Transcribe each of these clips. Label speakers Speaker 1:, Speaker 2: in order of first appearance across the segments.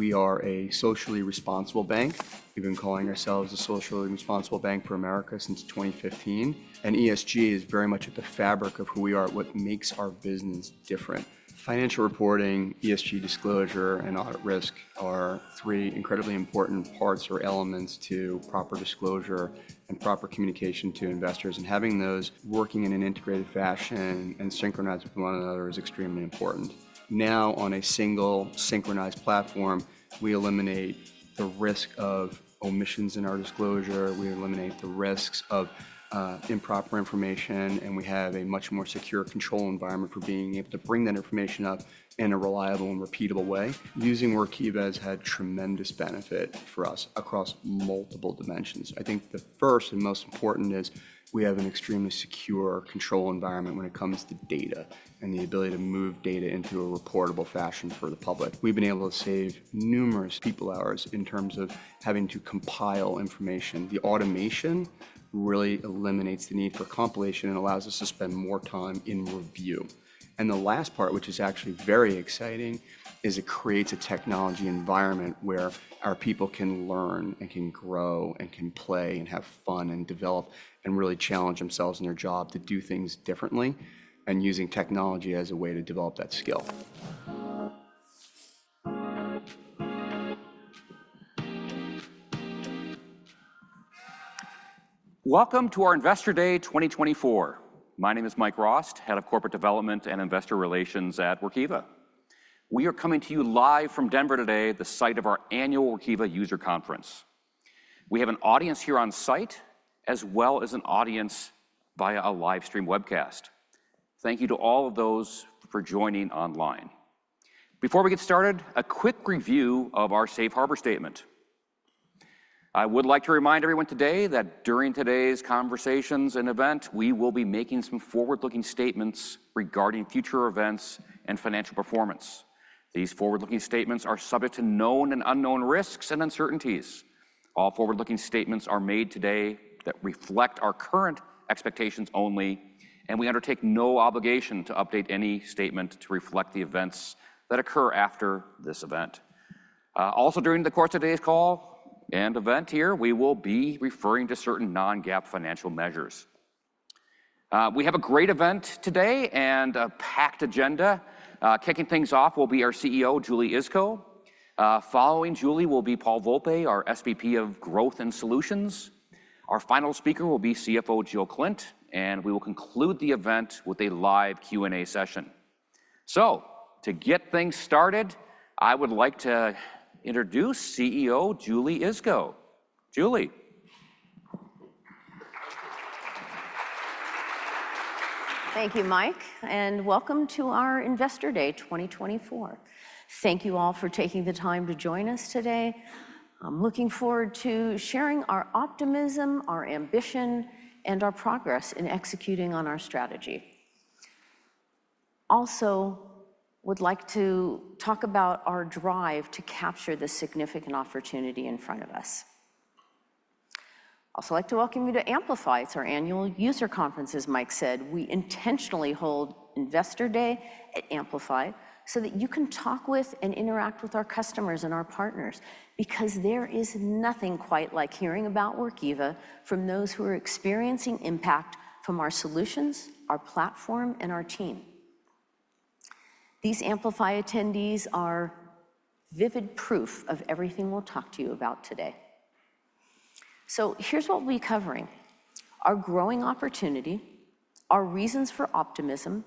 Speaker 1: We are a socially responsible bank. We've been calling ourselves a socially responsible bank for America since 2015, and ESG is very much at the fabric of who we are, what makes our business different. Financial reporting, ESG disclosure, and audit risk are three incredibly important parts or elements to proper disclosure and proper communication to investors, and having those working in an integrated fashion and synchronized with one another is extremely important. Now, on a single synchronized platform, we eliminate the risk of omissions in our disclosure, we eliminate the risks of improper information, and we have a much more secure control environment for being able to bring that information up in a reliable and repeatable way. Using Workiva has had tremendous benefit for us across multiple dimensions. I think the first and most important is we have an extremely secure control environment when it comes to data and the ability to move data into a reportable fashion for the public. We've been able to save numerous people-hours in terms of having to compile information. The automation really eliminates the need for compilation and allows us to spend more time in review, and the last part, which is actually very exciting, is it creates a technology environment where our people can learn, and can grow, and can play, and have fun, and develop, and really challenge themselves in their job to do things differently, and using technology as a way to develop that skill.
Speaker 2: Welcome to our Investor Day 2024. My name is Mike Rost, Head of Corporate Development and Investor Relations at Workiva. We are coming to you live from Denver today, the site of our annual Workiva User Conference. We have an audience here on site, as well as an audience via a live stream webcast. Thank you to all of those for joining online. Before we get started, a quick review of our safe harbor statement. I would like to remind everyone today that during today's conversations and event, we will be making some forward-looking statements regarding future events and financial performance. These forward-looking statements are subject to known and unknown risks and uncertainties. All forward-looking statements are made today that reflect our current expectations only, and we undertake no obligation to update any statement to reflect the events that occur after this event. Also, during the course of today's call and event here, we will be referring to certain non-GAAP financial measures. We have a great event today and a packed agenda. Kicking things off will be our CEO, Julie Iskow. Following Julie will be Paul Volpe, our SVP of Growth and Solutions. Our final speaker will be CFO Jill Klindt, and we will conclude the event with a live Q&A session. So to get things started, I would like to introduce CEO Julie Iskow. Julie?
Speaker 3: Thank you, Mike, and welcome to our Investor Day 2024. Thank you all for taking the time to join us today. I'm looking forward to sharing our optimism, our ambition, and our progress in executing on our strategy. Also, would like to talk about our drive to capture the significant opportunity in front of us. I'd also like to welcome you to Amplify. It's our annual user conference, as Mike said. We intentionally hold Investor Day at Amplify so that you can talk with and interact with our customers and our partners, because there is nothing quite like hearing about Workiva from those who are experiencing impact from our solutions, our platform, and our team. These Amplify attendees are vivid proof of everything we'll talk to you about today. So here's what we'll be covering: our growing opportunity, our reasons for optimism,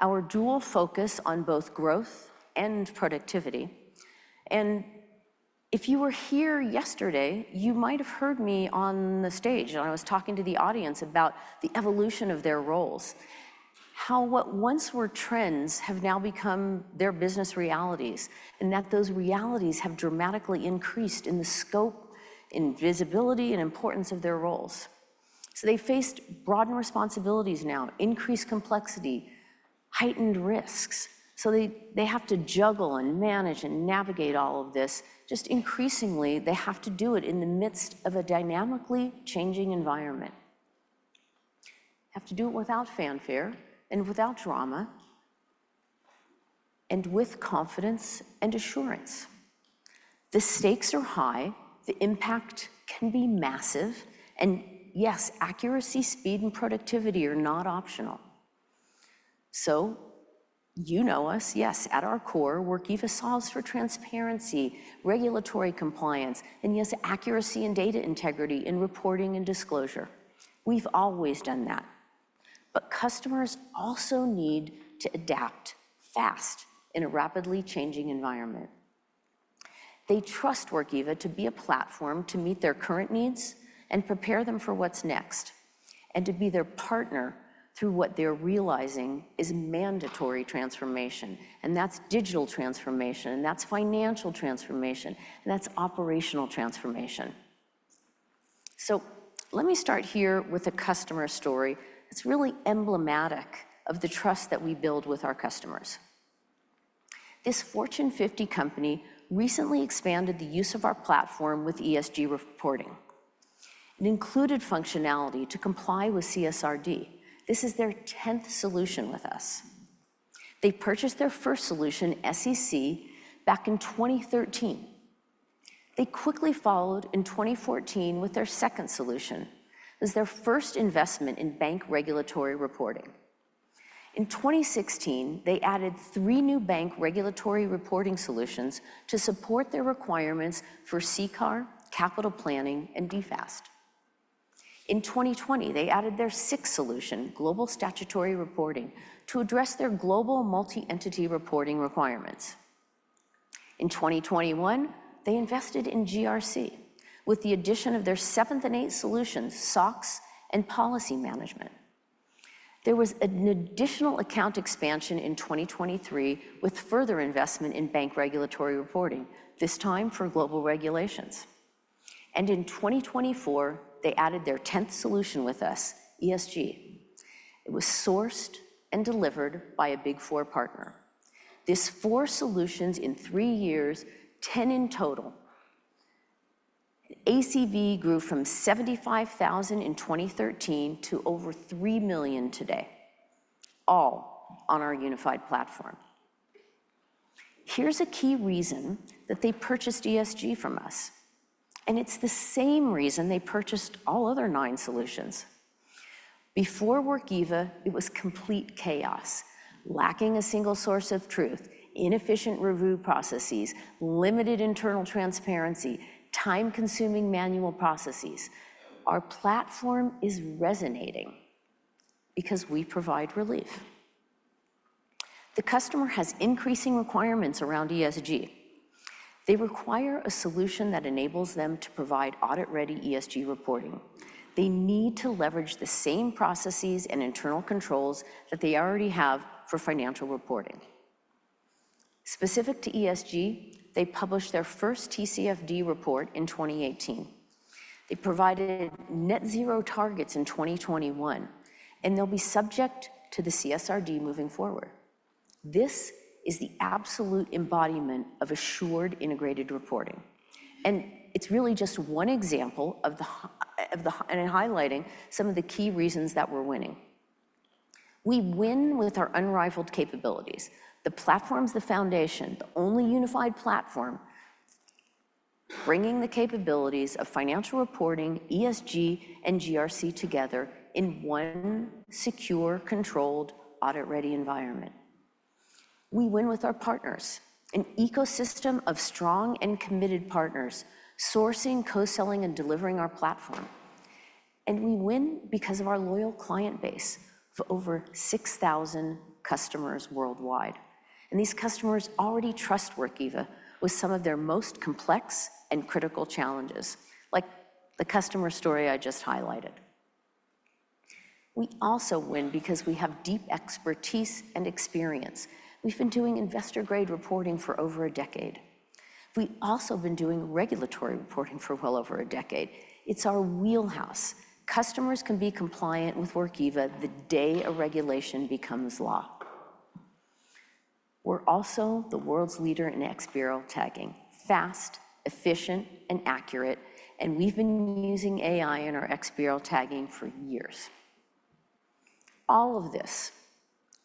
Speaker 3: our dual focus on both growth and productivity. And if you were here yesterday, you might have heard me on the stage when I was talking to the audience about the evolution of their roles, how what once were trends have now become their business realities, and that those realities have dramatically increased in the scope, in visibility, and importance of their roles. So they faced broadened responsibilities now, increased complexity, heightened risks, so they have to juggle, and manage, and navigate all of this. Just increasingly, they have to do it in the midst of a dynamically changing environment. Have to do it without fanfare and without drama, and with confidence and assurance. The stakes are high, the impact can be massive, and yes, accuracy, speed, and productivity are not optional. So you know us. Yes, at our core, Workiva solves for transparency, regulatory compliance, and, yes, accuracy and data integrity in reporting and disclosure. We've always done that. But customers also need to adapt fast in a rapidly changing environment. They trust Workiva to be a platform to meet their current needs and prepare them for what's next, and to be their partner through what they're realizing is mandatory transformation, and that's digital transformation, and that's financial transformation, and that's operational transformation. So let me start here with a customer story that's really emblematic of the trust that we build with our customers. This Fortune 50 company recently expanded the use of our platform with ESG reporting. It included functionality to comply with CSRD. This is their tenth solution with us. They purchased their first solution, SEC, back in 2013. They quickly followed in 2014 with their second solution. It was their first investment in Bank Regulatory Reporting. In 2016, they added three new Bank Regulatory Reporting solutions to support their requirements for CCAR, capital planning, and DFAST. In 2020, they added their sixth solution, Global Statutory Reporting, to address their global Multi-Entity Reporting requirements. In 2021, they invested in GRC with the addition of their seventh and eighth solutions, SOX and Policy Management. There was an additional account expansion in 2023, with further investment in Bank Regulatory Reporting, this time for global regulations. In 2024, they added their tenth solution with us, ESG. It was sourced and delivered by a Big Four partner. These four solutions in three years, 10 in total, ACV grew from $75,000 in 2013 to over $3 million today, all on our unified platform. Here's a key reason that they purchased ESG from us, and it's the same reason they purchased all other nine solutions. Before Workiva, it was complete chaos, lacking a single source of truth, inefficient review processes, limited internal transparency, time-consuming manual processes. Our platform is resonating because we provide relief. The customer has increasing requirements around ESG. They require a solution that enables them to provide audit-ready ESG reporting. They need to leverage the same processes and internal controls that they already have for financial reporting. Specific to ESG, they published their first TCFD report in 2018. They provided net zero targets in 2021, and they'll be subject to the CSRD moving forward. This is the absolute embodiment of assured integrated reporting, and it's really just one example, and in highlighting some of the key reasons that we're winning. We win with our unrivaled capabilities. The platform's the foundation, the only unified platform, bringing the capabilities of financial reporting, ESG, and GRC together in one secure, controlled, audit-ready environment. We win with our partners, an ecosystem of strong and committed partners, sourcing, co-selling, and delivering our platform. We win because of our loyal client base of over 6,000 customers worldwide, and these customers already trust Workiva with some of their most complex and critical challenges, like the customer story I just highlighted. We also win because we have deep expertise and experience. We've been doing investor-grade reporting for over a decade. We've also been doing regulatory reporting for well over a decade. It's our wheelhouse. Customers can be compliant with Workiva the day a regulation becomes law. We're also the world's leader in XBRL tagging, fast, efficient, and accurate, and we've been using AI in our XBRL tagging for years. All of this,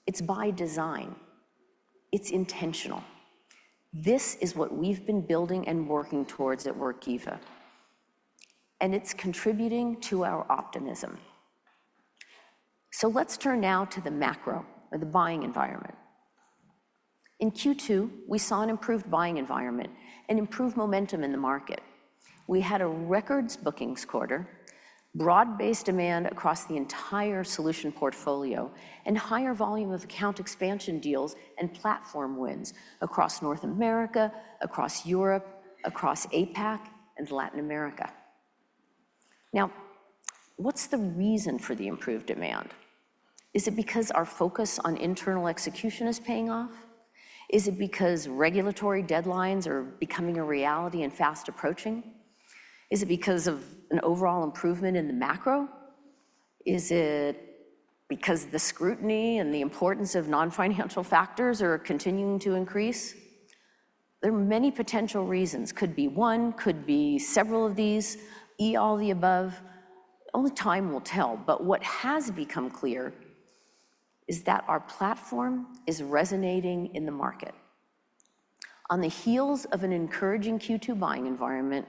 Speaker 3: it's by design. It's intentional. This is what we've been building and working towards at Workiva, and it's contributing to our optimism. So let's turn now to the macro, or the buying environment. In Q2, we saw an improved buying environment and improved momentum in the market. We had a record bookings quarter, broad-based demand across the entire solution portfolio, and higher volume of account expansion deals and platform wins across North America, across Europe, across APAC, and Latin America. Now, what's the reason for the improved demand? Is it because our focus on internal execution is paying off? Is it because regulatory deadlines are becoming a reality and fast approaching? Is it because of an overall improvement in the macro? Is it because the scrutiny and the importance of non-financial factors are continuing to increase? There are many potential reasons. Could be one, could be several of these, all the above. Only time will tell, but what has become clear is that our platform is resonating in the market. On the heels of an encouraging Q2 buying environment,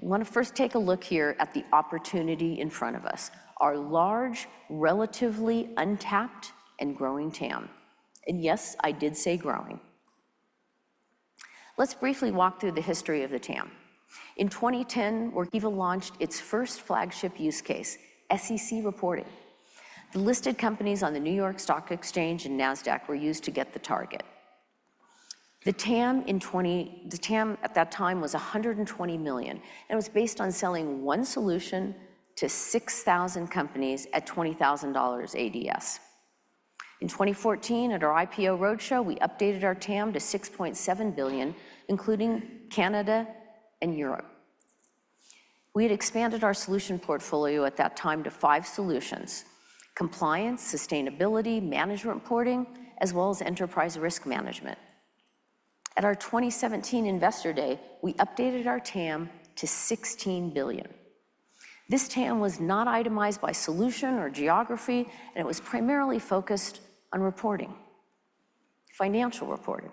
Speaker 3: I want to first take a look here at the opportunity in front of us, our large, relatively untapped, and growing TAM, and yes, I did say growing. Let's briefly walk through the history of the TAM. In 2010, Workiva launched its first flagship use case, SEC reporting. The listed companies on the New York Stock Exchange and Nasdaq were used to get the target. The TAM at that time was $120 million, and it was based on selling one solution to 6,000 companies at $20,000 ADS. In 2014, at our IPO roadshow, we updated our TAM to $6.7 billion, including Canada and Europe. We had expanded our solution portfolio at that time to five solutions: Compliance, Sustainability, Management Reporting, as well as Enterprise Risk Management. At our 2017 Investor Day, we updated our TAM to $16 billion. This TAM was not itemized by solution or geography, and it was primarily focused on reporting, financial reporting.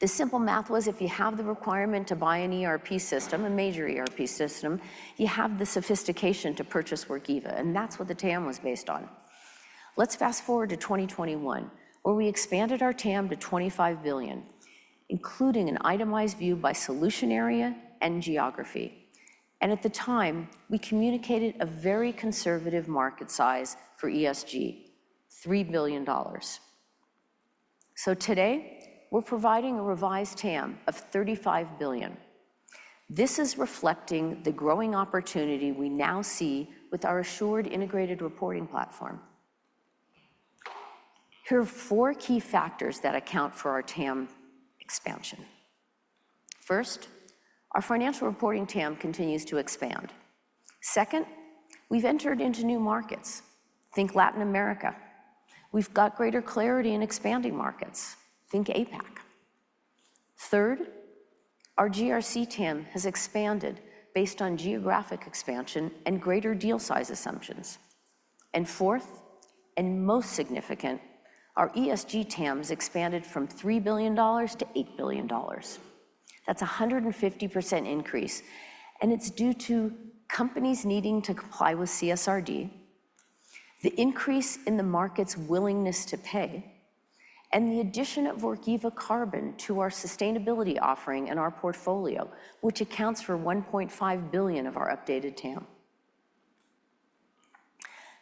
Speaker 3: The simple math was, if you have the requirement to buy an ERP system, a major ERP system, you have the sophistication to purchase Workiva, and that's what the TAM was based on. Let's fast-forward to 2021, where we expanded our TAM to $25 billion, including an itemized view by solution area and geography and at the time, we communicated a very conservative market size for ESG, $3 billion. So today, we're providing a revised TAM of $35 billion. This is reflecting the growing opportunity we now see with our assured integrated reporting platform. Here are four key factors that account for our TAM expansion. First, our financial reporting TAM continues to expand. Second, we've entered into new markets. Think Latin America. We've got greater clarity in expanding markets. Think APAC. Third, our GRC TAM has expanded based on geographic expansion and greater deal size assumptions. And fourth, and most significant, our ESG TAMs expanded from $3 billion-$8 billion. That's a 150% increase, and it's due to companies needing to comply with CSRD, the increase in the market's willingness to pay, and the addition of Workiva Carbon to our sustainability offering in our portfolio, which accounts for $1.5 billion of our updated TAM.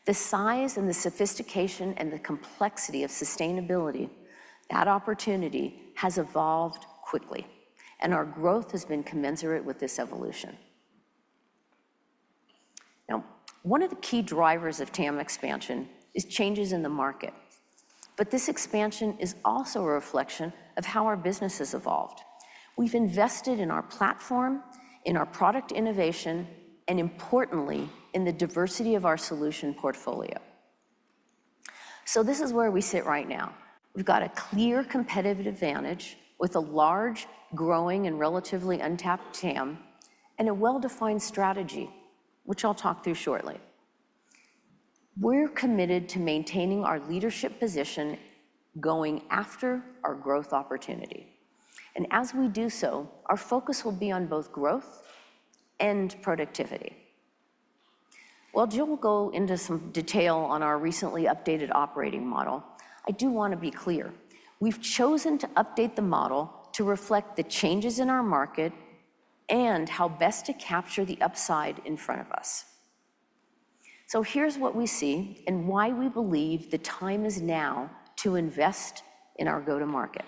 Speaker 3: The size and the sophistication and the complexity of sustainability, that opportunity has evolved quickly, and our growth has been commensurate with this evolution. Now, one of the key drivers of TAM expansion is changes in the market, but this expansion is also a reflection of how our business has evolved. We've invested in our platform, in our product innovation, and importantly, in the diversity of our solution portfolio. So this is where we sit right now. We've got a clear competitive advantage with a large, growing, and relatively untapped TAM, and a well-defined strategy, which I'll talk through shortly. We're committed to maintaining our leadership position, going after our growth opportunity, and as we do so, our focus will be on both growth and productivity. While Jill will go into some detail on our recently updated operating model, I do want to be clear, we've chosen to update the model to reflect the changes in our market and how best to capture the upside in front of us. So here's what we see and why we believe the time is now to invest in our go-to-market.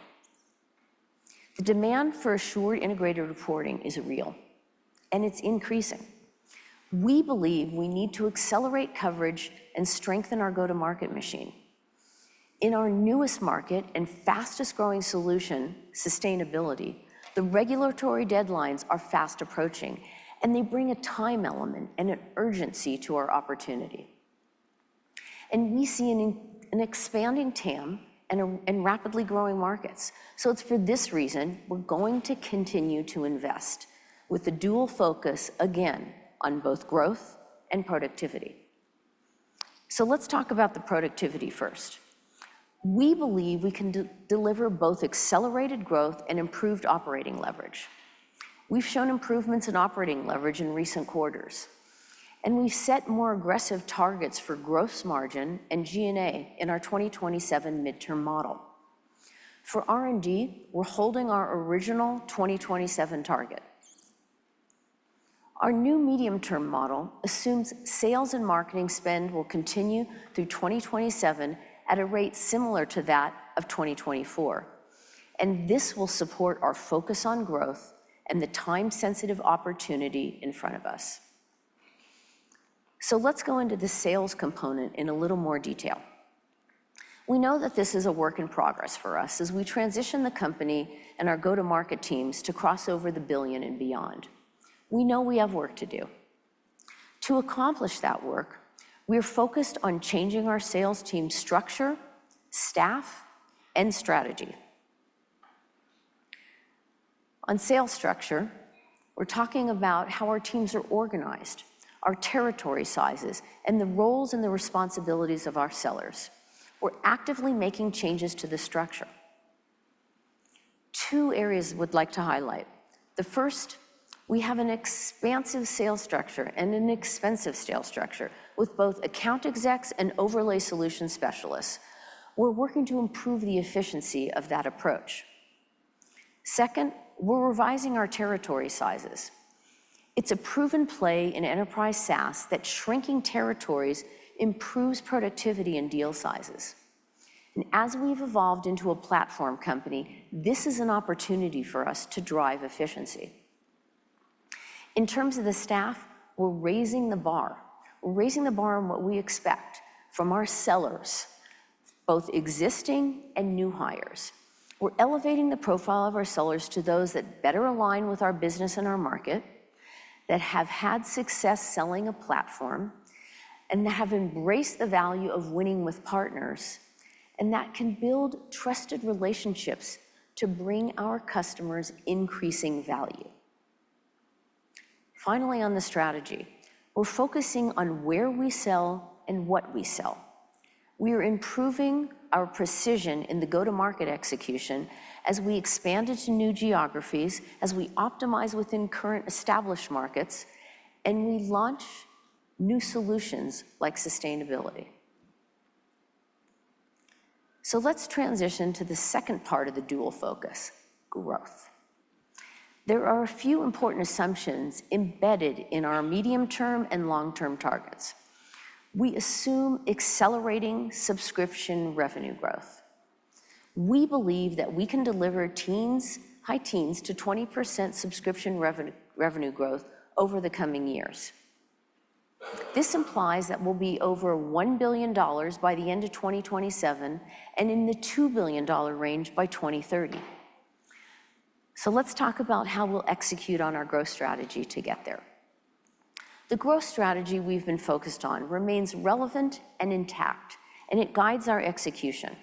Speaker 3: The demand for assured integrated reporting is real, and it's increasing. We believe we need to accelerate coverage and strengthen our go-to-market machine. In our newest market and fastest-growing solution, sustainability, the regulatory deadlines are fast approaching, and they bring a time element and an urgency to our opportunity, and we see an expanding TAM and a rapidly growing markets. It's for this reason we're going to continue to invest with the dual focus, again, on both growth and productivity. Let's talk about the productivity first. We believe we can deliver both accelerated growth and improved operating leverage. We've shown improvements in operating leverage in recent quarters, and we set more aggressive targets for gross margin and G&A in our 2027 mid-term model. For R&D, we're holding our original 2027 target. Our new medium-term model assumes sales and marketing spend will continue through 2027 at a rate similar to that of 2024, and this will support our focus on growth and the time-sensitive opportunity in front of us. Let's go into the sales component in a little more detail. We know that this is a work in progress for us as we transition the company and our go-to-market teams to cross over the billion and beyond. We know we have work to do. To accomplish that work, we're focused on changing our sales team structure, staff, and strategy. On sales structure, we're talking about how our teams are organized, our territory sizes, and the roles and the responsibilities of our sellers. We're actively making changes to the structure. Two areas we'd like to highlight. The first, we have an expansive sales structure and an expensive sales structure, with both account execs and overlay solution specialists. We're working to improve the efficiency of that approach. Second, we're revising our territory sizes. It's a proven play in enterprise SaaS that shrinking territories improves productivity and deal sizes, and as we've evolved into a platform company, this is an opportunity for us to drive efficiency. In terms of the staff, we're raising the bar. We're raising the bar on what we expect from our sellers, both existing and new hires. We're elevating the profile of our sellers to those that better align with our business and our market, that have had success selling a platform, and that have embraced the value of winning with partners, and that can build trusted relationships to bring our customers increasing value.... Finally, on the strategy, we're focusing on where we sell and what we sell. We are improving our precision in the go-to-market execution as we expand into new geographies, as we optimize within current established markets, and we launch new solutions like sustainability. So let's transition to the second part of the dual focus: growth. There are a few important assumptions embedded in our medium-term and long-term targets. We assume accelerating subscription revenue growth. We believe that we can deliver teens, high teens to 20% subscription revenue, revenue growth over the coming years. This implies that we'll be over $1 billion by the end of 2027, and in the $2 billion range by 2030. So let's talk about how we'll execute on our growth strategy to get there. The growth strategy we've been focused on remains relevant and intact, and it guides our execution.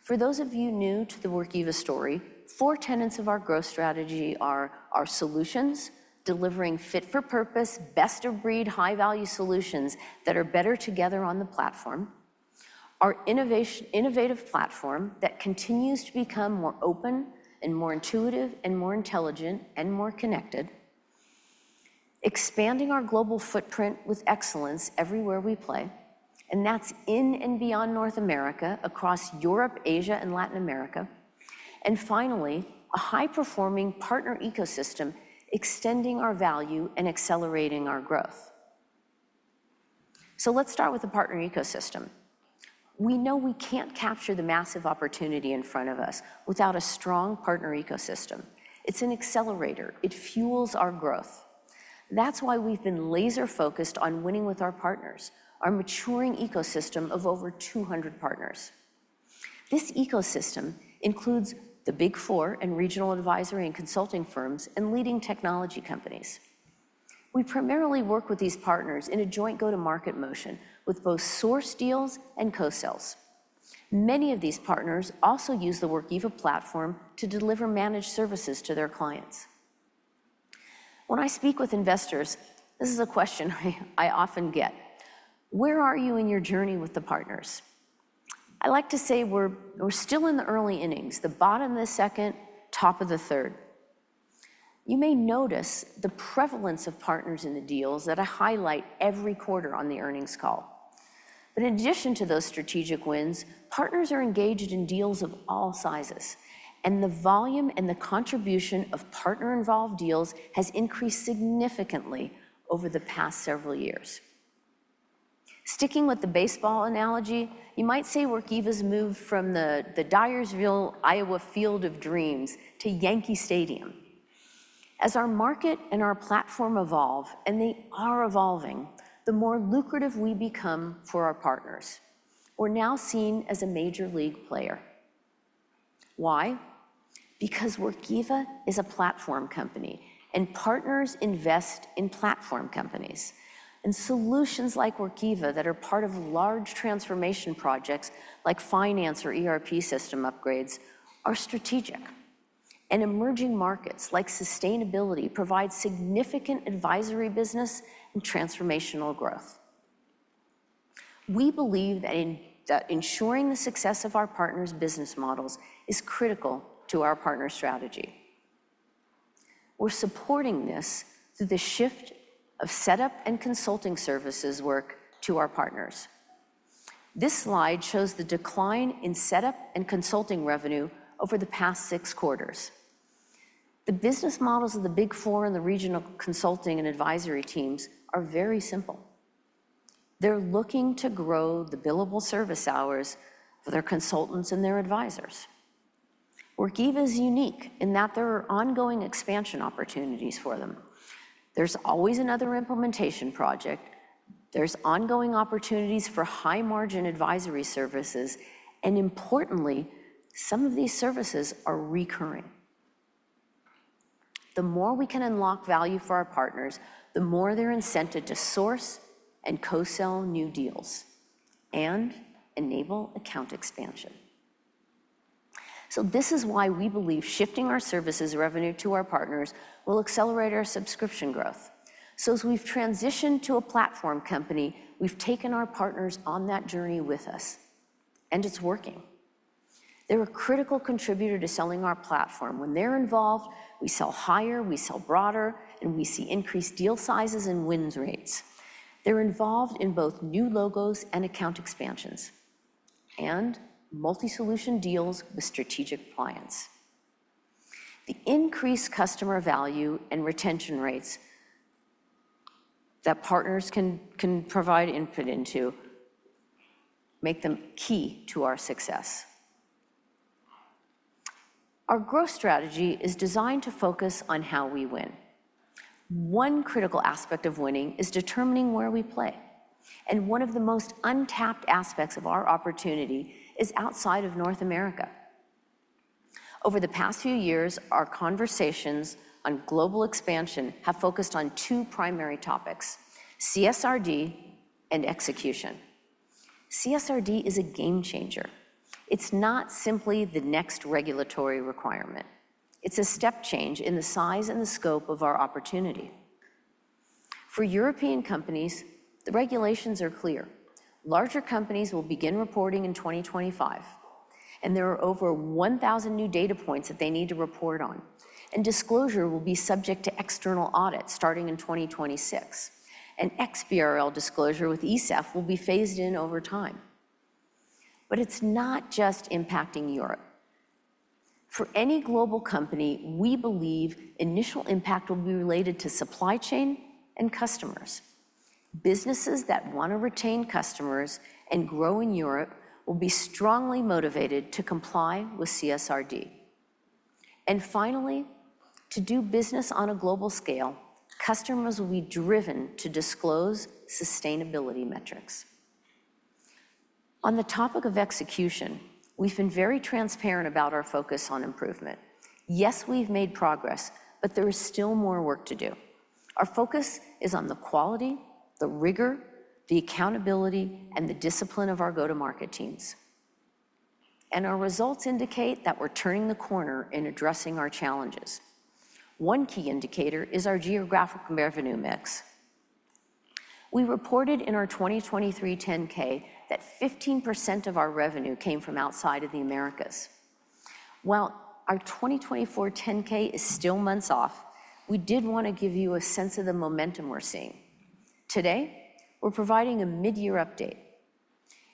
Speaker 3: For those of you new to the Workiva story, four tenets of our growth strategy are our solutions, delivering fit-for-purpose, best-of-breed, high-value solutions that are better together on the platform, our innovative platform that continues to become more open and more intuitive, and more intelligent, and more connected, expanding our global footprint with excellence everywhere we play, and that's in and beyond North America, across Europe, Asia, and Latin America, and finally, a high-performing partner ecosystem, extending our value and accelerating our growth. So let's start with the partner ecosystem. We know we can't capture the massive opportunity in front of us without a strong partner ecosystem. It's an accelerator. It fuels our growth. That's why we've been laser-focused on winning with our partners, our maturing ecosystem of over two hundred partners. This ecosystem includes the Big Four and regional advisory and consulting firms and leading technology companies. We primarily work with these partners in a joint go-to-market motion with both sourced deals and co-sales. Many of these partners also use the Workiva platform to deliver managed services to their clients. When I speak with investors, this is a question I often get: "Where are you in your journey with the partners?" I like to say we're still in the early innings, the bottom of the second, top of the third. You may notice the prevalence of partners in the deals that I highlight every quarter on the earnings call. But in addition to those strategic wins, partners are engaged in deals of all sizes, and the volume and the contribution of partner-involved deals has increased significantly over the past several years. Sticking with the baseball analogy, you might say Workiva's moved from the Dyersville, Iowa, Field of Dreams to Yankee Stadium. As our market and our platform evolve, and they are evolving, the more lucrative we become for our partners. We're now seen as a Major League player. Why? Because Workiva is a platform company, and partners invest in platform companies, and solutions like Workiva that are part of large transformation projects, like finance or ERP system upgrades, are strategic. And emerging markets, like sustainability, provide significant advisory business and transformational growth. We believe that ensuring the success of our partners' business models is critical to our partner strategy. We're supporting this through the shift of setup and consulting services work to our partners. This slide shows the decline in setup and consulting revenue over the past six quarters. The business models of the Big Four and the regional consulting and advisory teams are very simple. They're looking to grow the billable service hours for their consultants and their advisors. Workiva is unique in that there are ongoing expansion opportunities for them. There's always another implementation project, there's ongoing opportunities for high-margin advisory services, and importantly, some of these services are recurring. The more we can unlock value for our partners, the more they're incented to source and co-sell new deals and enable account expansion. So this is why we believe shifting our services revenue to our partners will accelerate our subscription growth. So as we've transitioned to a platform company, we've taken our partners on that journey with us, and it's working. They're a critical contributor to selling our platform. When they're involved, we sell higher, we sell broader, and we see increased deal sizes and win rates. They're involved in both new logos and account expansions and multi-solution deals with strategic clients. The increased customer value and retention rates that partners can provide input into make them key to our success. Our growth strategy is designed to focus on how we win. One critical aspect of winning is determining where we play, and one of the most untapped aspects of our opportunity is outside of North America. Over the past few years, our conversations on global expansion have focused on two primary topics: CSRD and execution. CSRD is a game changer. It's not simply the next regulatory requirement. It's a step change in the size and the scope of our opportunity. For European companies, the regulations are clear. Larger companies will begin reporting in 2025, and there are over 1,000 new data points that they need to report on, and disclosure will be subject to external audits starting in 2026, and XBRL disclosure with ESEF will be phased in over time. But it's not just impacting Europe. For any global company, we believe initial impact will be related to supply chain and customers. Businesses that want to retain customers and grow in Europe will be strongly motivated to comply with CSRD. And finally, to do business on a global scale, customers will be driven to disclose sustainability metrics. On the topic of execution, we've been very transparent about our focus on improvement. Yes, we've made progress, but there is still more work to do. Our focus is on the quality, the rigor, the accountability, and the discipline of our go-to-market teams, and our results indicate that we're turning the corner in addressing our challenges. One key indicator is our geographic revenue mix. We reported in our 2023 10-K that 15% of our revenue came from outside of the Americas. While our 2024 10-K is still months off, we did want to give you a sense of the momentum we're seeing. Today, we're providing a mid-year update.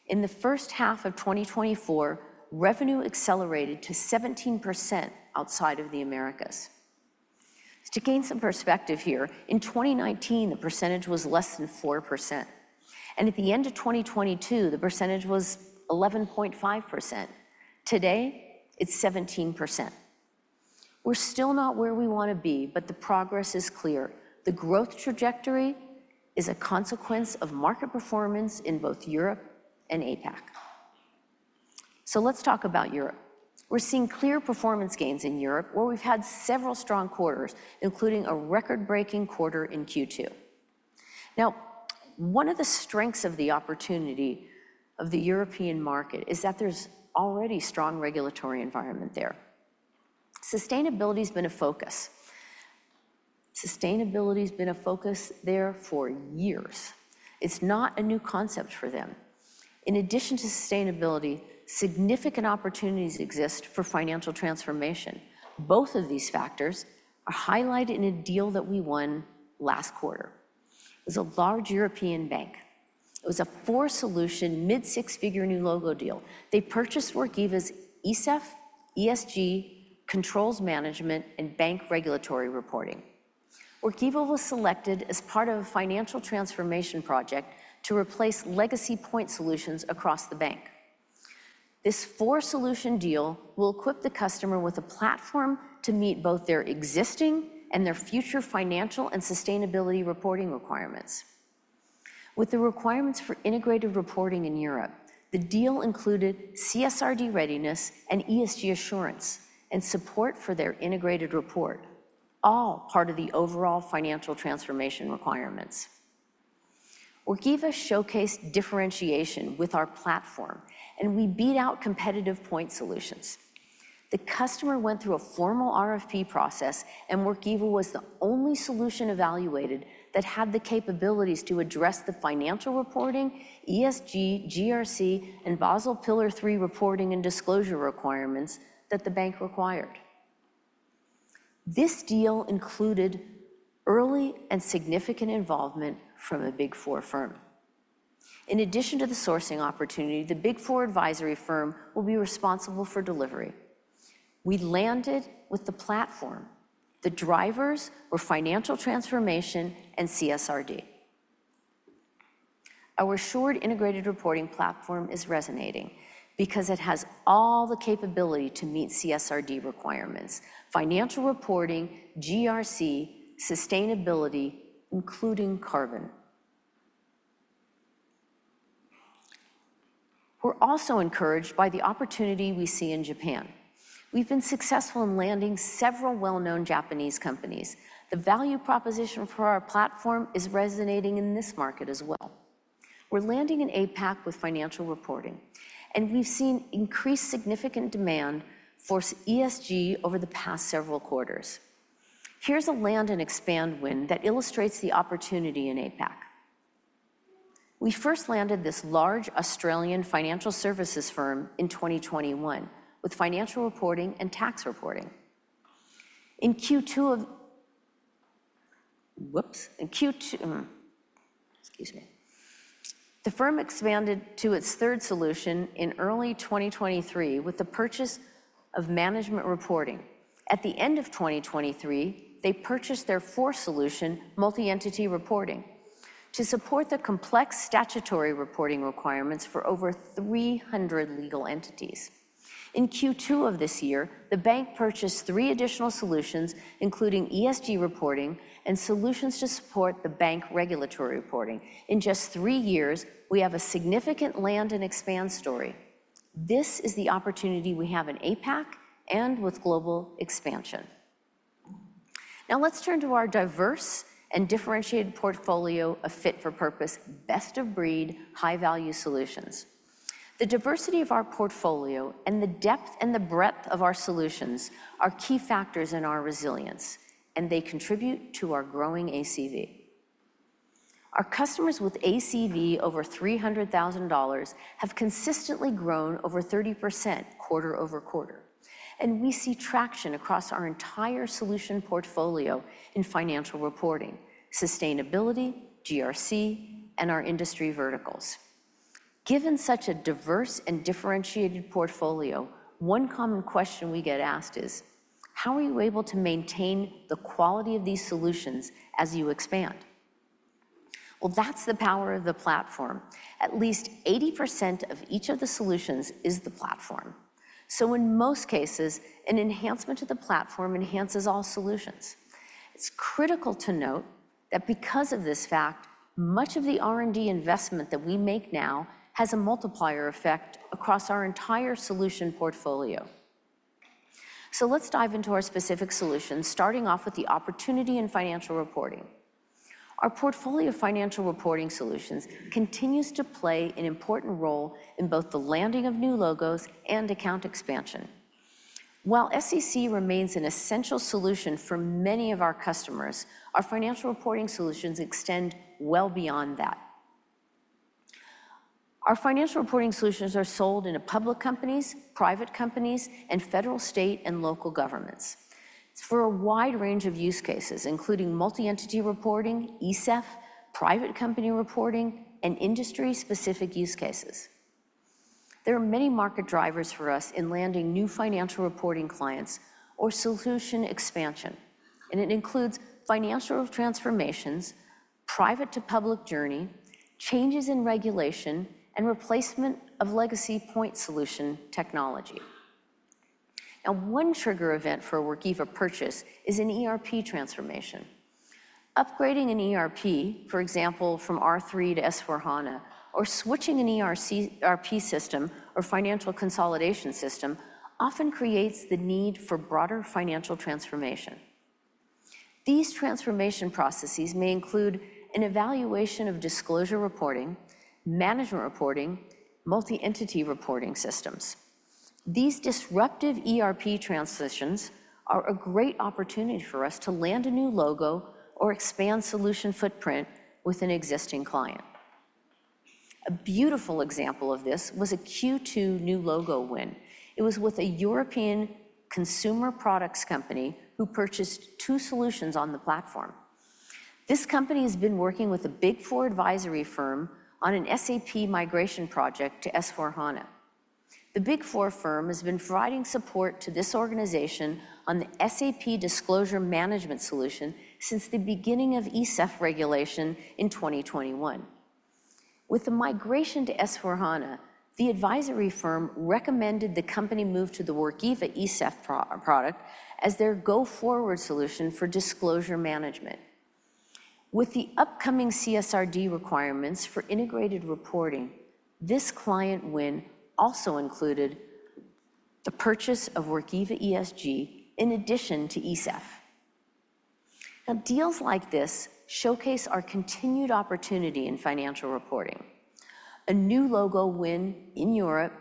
Speaker 3: In the first half of 2024, revenue accelerated to 17% outside of the Americas. To gain some perspective here, in 2019, the percentage was less than 4%, and at the end of 2022, the percentage was 11.5%. Today, it's 17%. We're still not where we want to be, but the progress is clear. The growth trajectory is a consequence of market performance in both Europe and APAC. So let's talk about Europe. We're seeing clear performance gains in Europe, where we've had several strong quarters, including a record-breaking quarter in Q2. Now, one of the strengths of the opportunity of the European market is that there's already strong regulatory environment there. Sustainability's been a focus. Sustainability's been a focus there for years. It's not a new concept for them. In addition to sustainability, significant opportunities exist for financial transformation. Both of these factors are highlighted in a deal that we won last quarter. It was a large European bank. It was a four-solution, mid-six-figure new logo deal. They purchased Workiva's ESEF, ESG, Controls Management, and Bank Regulatory Reporting. Workiva was selected as part of a financial transformation project to replace legacy point solutions across the bank. This four-solution deal will equip the customer with a platform to meet both their existing and their future financial and sustainability reporting requirements. With the requirements for integrated reporting in Europe, the deal included CSRD readiness and ESG assurance and support for their integrated report, all part of the overall financial transformation requirements. Workiva showcased differentiation with our platform, and we beat out competitive point solutions. The customer went through a formal RFP process, and Workiva was the only solution evaluated that had the capabilities to address the financial reporting, ESG, GRC, and Basel Pillar 3 reporting and disclosure requirements that the bank required. This deal included early and significant involvement from a Big Four firm. In addition to the sourcing opportunity, the Big Four advisory firm will be responsible for delivery. We landed with the platform. The drivers were financial transformation and CSRD. Our assured integrated reporting platform is resonating because it has all the capability to meet CSRD requirements: financial reporting, GRC, sustainability, including carbon. We're also encouraged by the opportunity we see in Japan. We've been successful in landing several well-known Japanese companies. The value proposition for our platform is resonating in this market as well. We're landing in APAC with financial reporting, and we've seen increased significant demand for ESG over the past several quarters. Here's a land-and-expand win that illustrates the opportunity in APAC. We first landed this large Australian financial services firm in 2021 with financial reporting and tax reporting. In Q2... Whoops! In Q2, excuse me. The firm expanded to its third solution in early 2023 with the purchase of management reporting. At the end of 2023, they purchased their fourth solution, multi-entity reporting, to support the complex statutory reporting requirements for over 300 legal entities. In Q2 of this year, the bank purchased three additional solutions, including ESG reporting and solutions to support the Bank Regulatory Reporting. In just three years, we have a significant land-and-expand story. This is the opportunity we have in APAC and with global expansion. Now let's turn to our diverse and differentiated portfolio of fit-for-purpose, best-of-breed, high-value solutions. The diversity of our portfolio and the depth and the breadth of our solutions are key factors in our resilience, and they contribute to our growing ACV. Our customers with ACV over $300,000 have consistently grown over 30% quarter over quarter, and we see traction across our entire solution portfolio in financial reporting, sustainability, GRC, and our industry verticals. Given such a diverse and differentiated portfolio, one common question we get asked is: How are you able to maintain the quality of these solutions as you expand? Well, that's the power of the platform. At least 80% of each of the solutions is the platform. So in most cases, an enhancement to the platform enhances all solutions. It's critical to note that because of this fact, much of the R&D investment that we make now has a multiplier effect across our entire solution portfolio. So let's dive into our specific solutions, starting off with the opportunity in financial reporting. Our portfolio of financial reporting solutions continues to play an important role in both the landing of new logos and account expansion. While SEC remains an essential solution for many of our customers, our financial reporting solutions extend well beyond that. Our financial reporting solutions are sold into public companies, private companies, and federal, state, and local governments. It's for a wide range of use cases, including multi-entity reporting, ESEF, private company reporting, and industry-specific use cases. There are many market drivers for us in landing new financial reporting clients or solution expansion, and it includes financial transformations, private to public journey, changes in regulation, and replacement of legacy point solution technology. Now, one trigger event for a Workiva purchase is an ERP transformation. Upgrading an ERP, for example, from R/3 to S/4HANA, or switching an ERP system or financial consolidation system, often creates the need for broader financial transformation. These transformation processes may include an evaluation of disclosure reporting, management reporting, multi-entity reporting systems. These disruptive ERP transitions are a great opportunity for us to land a new logo or expand solution footprint with an existing client. A beautiful example of this was a Q2 new logo win. It was with a European consumer products company who purchased two solutions on the platform. This company has been working with a Big Four advisory firm on an SAP migration project to S/4HANA. The Big Four firm has been providing support to this organization on the SAP Disclosure Management solution since the beginning of ESEF regulation in 2021. With the migration to S/4HANA, the advisory firm recommended the company move to the Workiva ESEF product as their go-forward solution for disclosure management. With the upcoming CSRD requirements for integrated reporting, this client win also included the purchase of Workiva ESG in addition to ESEF. Now, deals like this showcase our continued opportunity in financial reporting. A new logo win in Europe,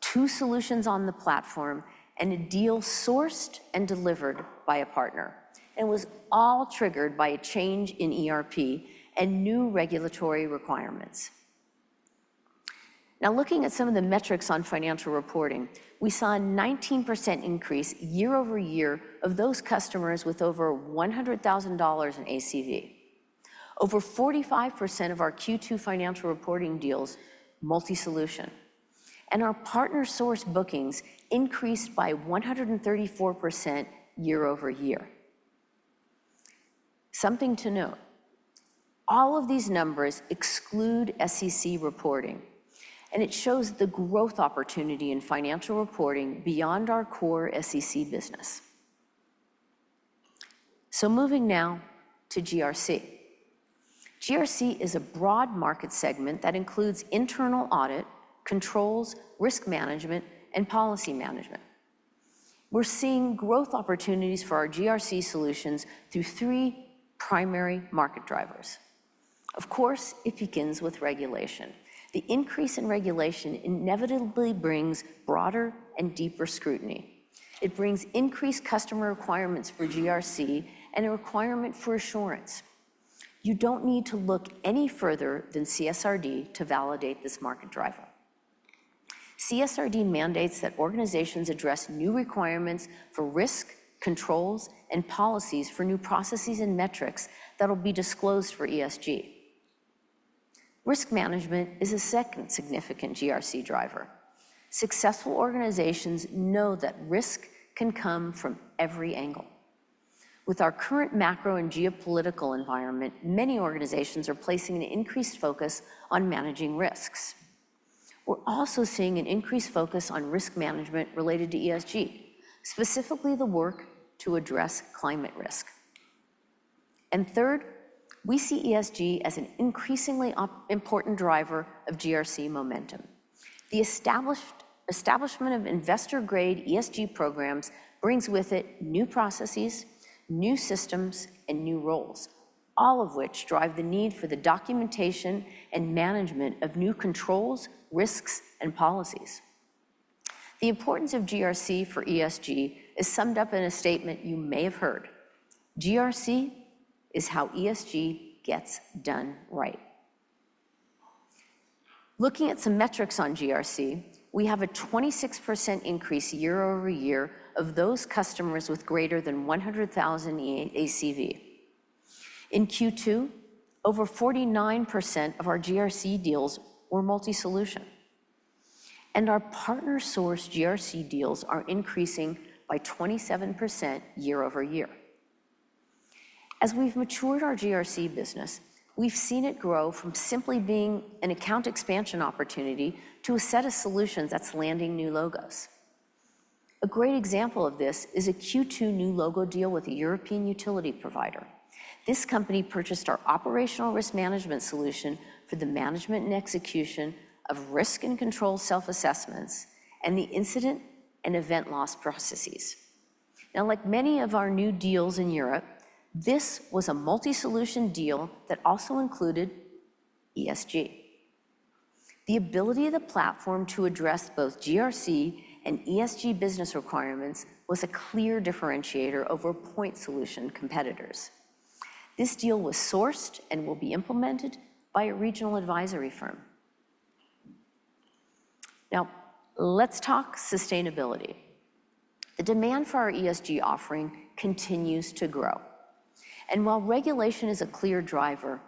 Speaker 3: two solutions on the platform, and a deal sourced and delivered by a partner, and was all triggered by a change in ERP and new regulatory requirements. Now, looking at some of the metrics on financial reporting, we saw a 19% increase year over year of those customers with over $100,000 in ACV. Over 45% of our Q2 financial reporting deals multi-solution, and our partner-sourced bookings increased by 134% year over year. Something to note, all of these numbers exclude SEC reporting, and it shows the growth opportunity in financial reporting beyond our core SEC business. So moving now to GRC. GRC is a broad market segment that includes internal audit, controls, risk management, and policy management. We're seeing growth opportunities for our GRC solutions through three primary market drivers. Of course, it begins with regulation. The increase in regulation inevitably brings broader and deeper scrutiny. It brings increased customer requirements for GRC and a requirement for assurance. You don't need to look any further than CSRD to validate this market driver. CSRD mandates that organizations address new requirements for risk, controls, and policies for new processes and metrics that will be disclosed for ESG. Risk management is a second significant GRC driver. Successful organizations know that risk can come from every angle. With our current macro and geopolitical environment, many organizations are placing an increased focus on managing risks. We're also seeing an increased focus on risk management related to ESG, specifically the work to address climate risk... and third, we see ESG as an increasingly important driver of GRC momentum. The establishment of investor-grade ESG programs brings with it new processes, new systems, and new roles, all of which drive the need for the documentation and management of new controls, risks, and policies. The importance of GRC for ESG is summed up in a statement you may have heard: GRC is how ESG gets done right. Looking at some metrics on GRC, we have a 26% increase year over year of those customers with greater than 100,000 in ACV. In Q2, over 49% of our GRC deals were multi-solution, and our partner-sourced GRC deals are increasing by 27% year over year. As we've matured our GRC business, we've seen it grow from simply being an account expansion opportunity to a set of solutions that's landing new logos. A great example of this is a Q2 new logo deal with a European utility provider. This company purchased our Operational Risk Management solution for the management and execution of risk and control self-assessments and the incident and event loss processes. Now, like many of our new deals in Europe, this was a multi-solution deal that also included ESG. The ability of the platform to address both GRC and ESG business requirements was a clear differentiator over point solution competitors. This deal was sourced and will be implemented by a regional advisory firm. Now, let's talk sustainability. The demand for our ESG offering continues to grow, and while regulation is a clear driver,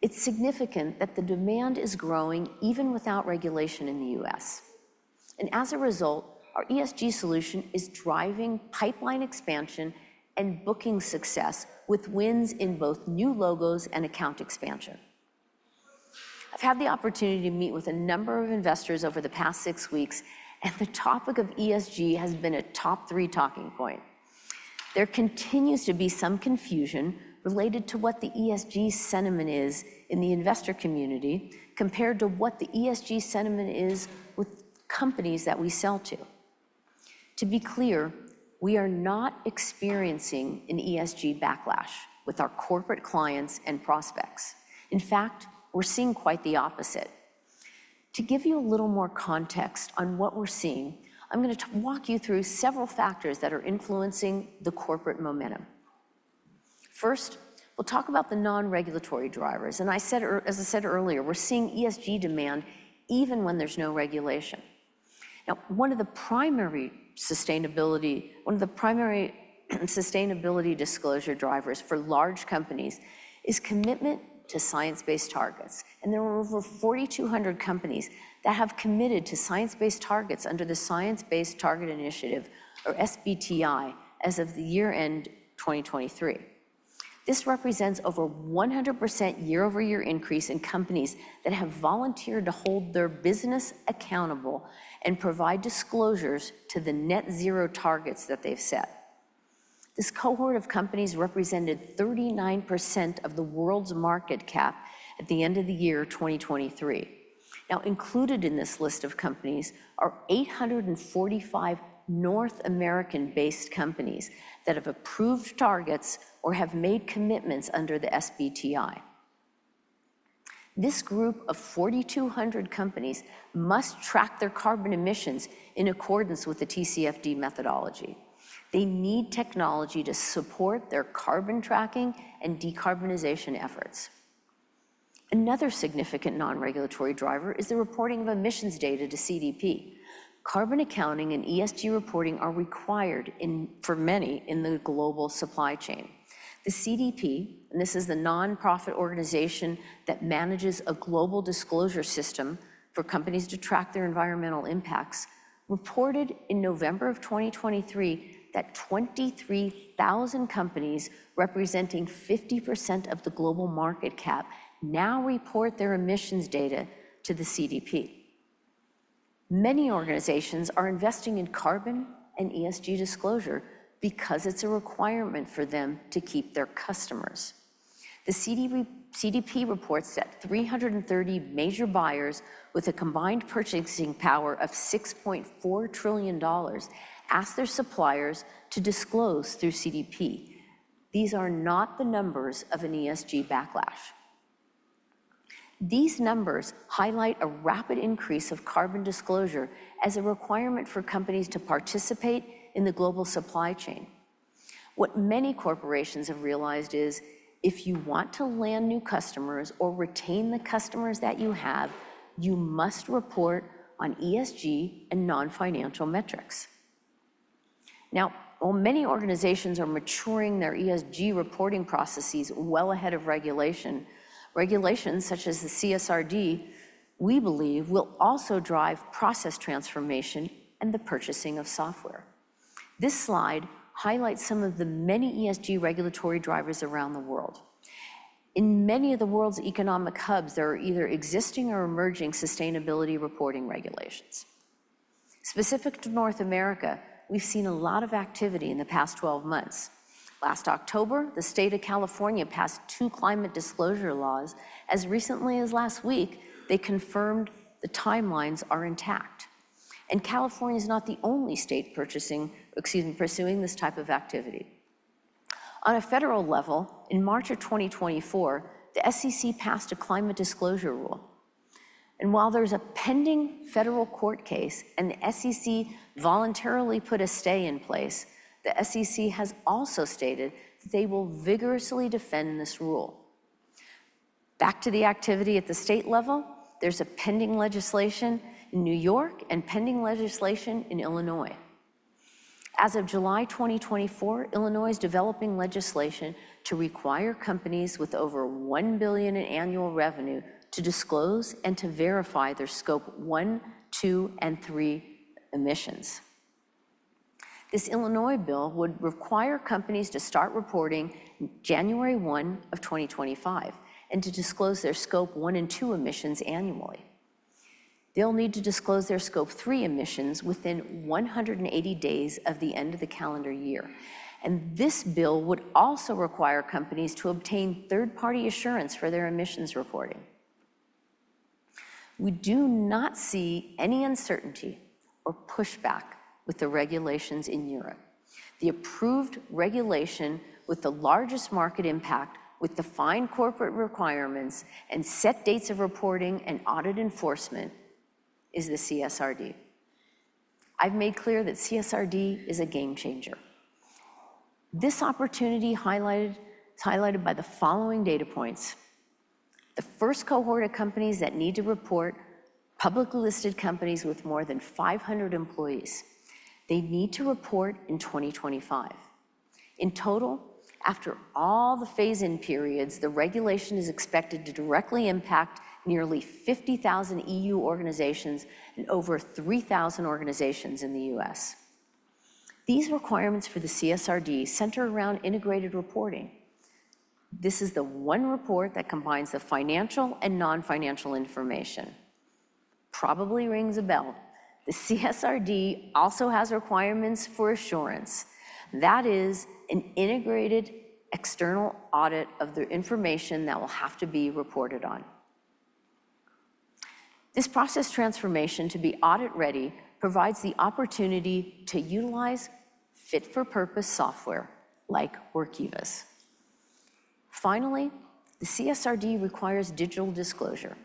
Speaker 3: it's significant that the demand is growing even without regulation in the U.S., and as a result, our ESG solution is driving pipeline expansion and booking success with wins in both new logos and account expansion. I've had the opportunity to meet with a number of investors over the past six weeks, and the topic of ESG has been a top three talking point. There continues to be some confusion related to what the ESG sentiment is in the investor community compared to what the ESG sentiment is with companies that we sell to. To be clear, we are not experiencing an ESG backlash with our corporate clients and prospects. In fact, we're seeing quite the opposite. To give you a little more context on what we're seeing, I'm gonna walk you through several factors that are influencing the corporate momentum. First, we'll talk about the non-regulatory drivers, and as I said earlier, we're seeing ESG demand even when there's no regulation. Now, one of the primary sustainability disclosure drivers for large companies is commitment to science-based targets, and there were over 4,200 companies that have committed to science-based targets under the Science Based Targets initiative, or SBTi, as of year-end 2023. This represents over 100% year-over-year increase in companies that have volunteered to hold their business accountable and provide disclosures to the Net Zero targets that they've set. This cohort of companies represented 39% of the world's market cap at the end of the year 2023. Now, included in this list of companies are 845 North American-based companies that have approved targets or have made commitments under the SBTi. This group of 4,200 companies must track their carbon emissions in accordance with the TCFD methodology. They need technology to support their carbon tracking and decarbonization efforts. Another significant non-regulatory driver is the reporting of emissions data to CDP. Carbon accounting and ESG reporting are required for many in the global supply chain. The CDP, and this is the nonprofit organization that manages a global disclosure system for companies to track their environmental impacts, reported in November 2023 that 23,000 companies, representing 50% of the global market cap, now report their emissions data to the CDP. Many organizations are investing in carbon and ESG disclosure because it's a requirement for them to keep their customers. The CDP reports that 330 major buyers with a combined purchasing power of $6.4 trillion ask their suppliers to disclose through CDP. These are not the numbers of an ESG backlash. These numbers highlight a rapid increase of carbon disclosure as a requirement for companies to participate in the global supply chain. What many corporations have realized is, if you want to land new customers or retain the customers that you have, you must report on ESG and non-financial metrics. Now, while many organizations are maturing their ESG reporting processes well ahead of regulation, regulations such as the CSRD, we believe, will also drive process transformation and the purchasing of software. This slide highlights some of the many ESG regulatory drivers around the world. In many of the world's economic hubs, there are either existing or emerging sustainability reporting regulations. Specific to North America, we've seen a lot of activity in the past 12 months. Last October, the state of California passed two climate disclosure laws. As recently as last week, they confirmed the timelines are intact. California's not the only state purchasing, excuse me, pursuing this type of activity. On a federal level, in March of 2024, the SEC passed a climate disclosure rule. While there's a pending federal court case, and the SEC voluntarily put a stay in place, the SEC has also stated they will vigorously defend this rule. Back to the activity at the state level, there's a pending legislation in New York and pending legislation in Illinois. As of July 2024, Illinois is developing legislation to require companies with over one billion in annual revenue to disclose and to verify their Scope 1, 2, and 3 emissions. This Illinois bill would require companies to start reporting January 1 of 2025, and to disclose their Scope 1 and 2 emissions annually. They'll need to disclose their Scope 3 emissions within 180 days of the end of the calendar year. This bill would also require companies to obtain third-party assurance for their emissions reporting. We do not see any uncertainty or pushback with the regulations in Europe. The approved regulation with the largest market impact, with defined corporate requirements, and set dates of reporting and audit enforcement is the CSRD. I've made clear that CSRD is a game changer. This opportunity is highlighted by the following data points. The first cohort of companies that need to report, publicly listed companies with more than 500 employees, they need to report in 2025. In total, after all the phase-in periods, the regulation is expected to directly impact nearly 50,000 E.U. organizations and over 3,000 organizations in the U.S. These requirements for the CSRD center around integrated reporting. This is the one report that combines the financial and non-financial information. Probably rings a bell. The CSRD also has requirements for assurance. That is, an integrated external audit of the information that will have to be reported on. This process transformation to be audit-ready provides the opportunity to utilize fit-for-purpose software like Workiva's. Finally, the CSRD requires digital disclosure.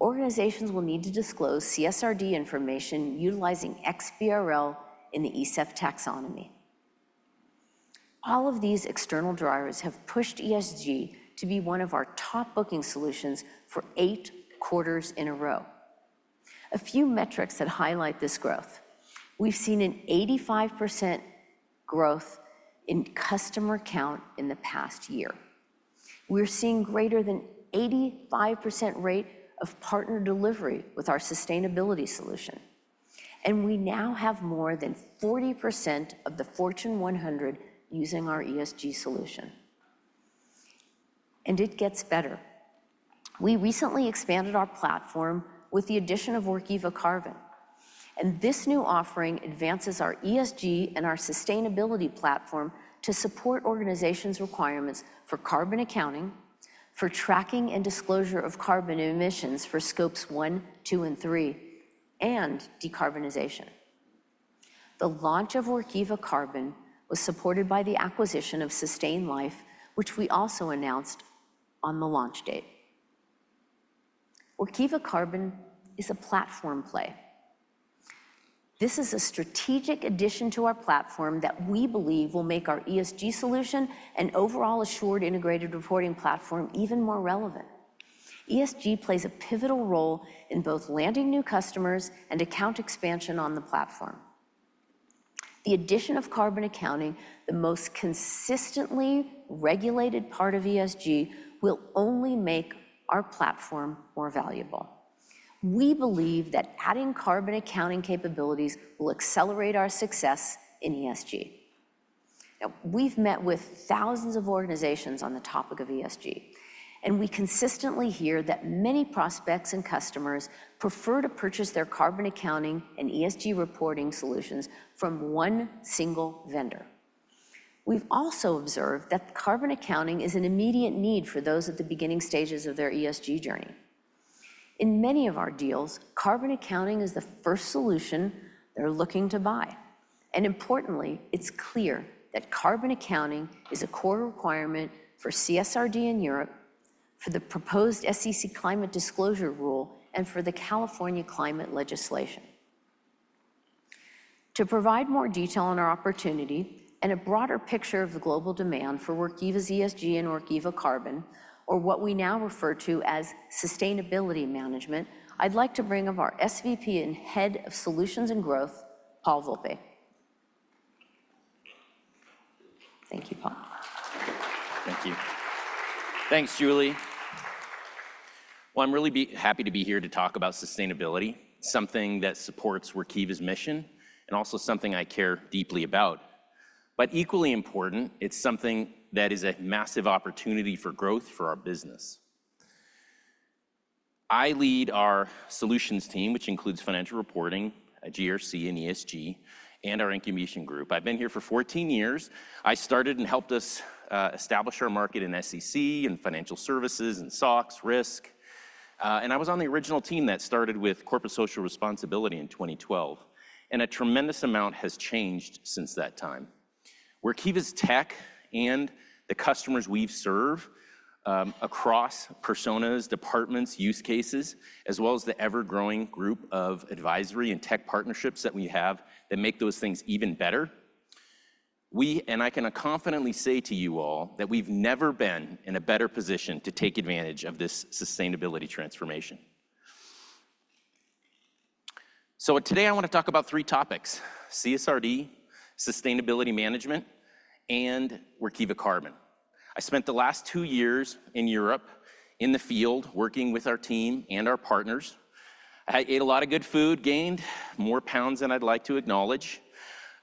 Speaker 3: Organizations will need to disclose CSRD information utilizing XBRL in the ESEF taxonomy. All of these external drivers have pushed ESG to be one of our top booking solutions for eight quarters in a row. A few metrics that highlight this growth: we've seen an 85% growth in customer count in the past year. We're seeing greater than 85% rate of partner delivery with our sustainability solution, and we now have more than 40% of the Fortune 100 using our ESG solution. It gets better. We recently expanded our platform with the addition of Workiva Carbon, and this new offering advances our ESG and our sustainability platform to support organizations' requirements for carbon accounting, for tracking and disclosure of carbon emissions for Scope 1, Scope 2, and Scope 3, and decarbonization. The launch of Workiva Carbon was supported by the acquisition of Sustain.Life, which we also announced on the launch date. Workiva Carbon is a platform play. This is a strategic addition to our platform that we believe will make our ESG solution and overall assured integrated reporting platform even more relevant. ESG plays a pivotal role in both landing new customers and account expansion on the platform. The addition of carbon accounting, the most consistently regulated part of ESG, will only make our platform more valuable. We believe that adding carbon accounting capabilities will accelerate our success in ESG. Now, we've met with thousands of organizations on the topic of ESG, and we consistently hear that many prospects and customers prefer to purchase their carbon accounting and ESG reporting solutions from one single vendor. We've also observed that carbon accounting is an immediate need for those at the beginning stages of their ESG journey. In many of our deals, carbon accounting is the first solution they're looking to buy, and importantly, it's clear that carbon accounting is a core requirement for CSRD in Europe, for the proposed SEC Climate Disclosure Rule, and for the California climate legislation. To provide more detail on our opportunity and a broader picture of the global demand for Workiva's ESG and Workiva Carbon, or what we now refer to as Sustainability Management, I'd like to bring up our SVP and Head of Solutions and Growth, Paul Volpe. Thank you, Paul.
Speaker 4: Thank you. Thanks, Julie. Well, I'm really happy to be here to talk about sustainability, something that supports Workiva's mission and also something I care deeply about. But equally important, it's something that is a massive opportunity for growth for our business. I lead our solutions team, which includes financial reporting, GRC and ESG, and our incubation group. I've been here for 14 years. I started and helped us establish our market in SEC and financial services and SOX risk. And I was on the original team that started with corporate social responsibility in 2012, and a tremendous amount has changed since that time. Workiva's tech and the customers we've served across personas, departments, use cases, as well as the ever-growing group of advisory and tech partnerships that we have that make those things even better. And I can confidently say to you all that we've never been in a better position to take advantage of this sustainability transformation. So today, I want to talk about three topics: CSRD, Sustainability Management, and Workiva Carbon. I spent the last two years in Europe, in the field, working with our team and our partners. I ate a lot of good food, gained more pounds than I'd like to acknowledge.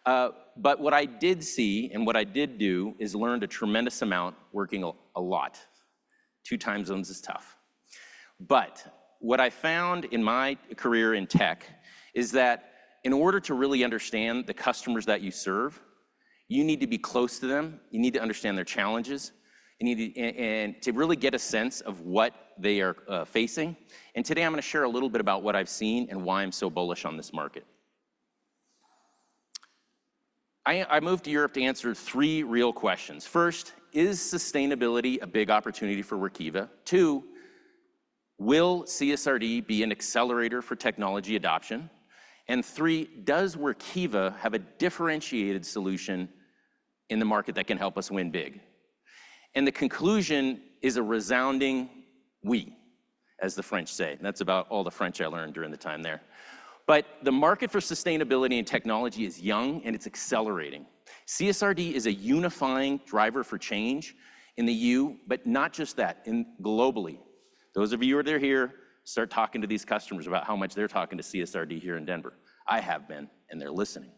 Speaker 4: But what I did see and what I did do is learned a tremendous amount working a lot. Two time zones is tough. But what I found in my career in tech is that in order to really understand the customers that you serve, you need to be close to them, you need to understand their challenges, you need to and to really get a sense of what they are facing. And today, I'm gonna share a little bit about what I've seen and why I'm so bullish on this market. I moved to Europe to answer three real questions. First, is sustainability a big opportunity for Workiva? Two, will CSRD be an accelerator for technology adoption? And three, does Workiva have a differentiated solution in the market that can help us win big? And the conclusion is a resounding, "Oui!" As the French say, that's about all the French I learned during the time there. But the market for sustainability and technology is young, and it's accelerating. CSRD is a unifying driver for change in the E.U., but not just that, globally. Those of you who are here, start talking to these customers about how much they're talking to CSRD here in Denver. I have been, and they're listening.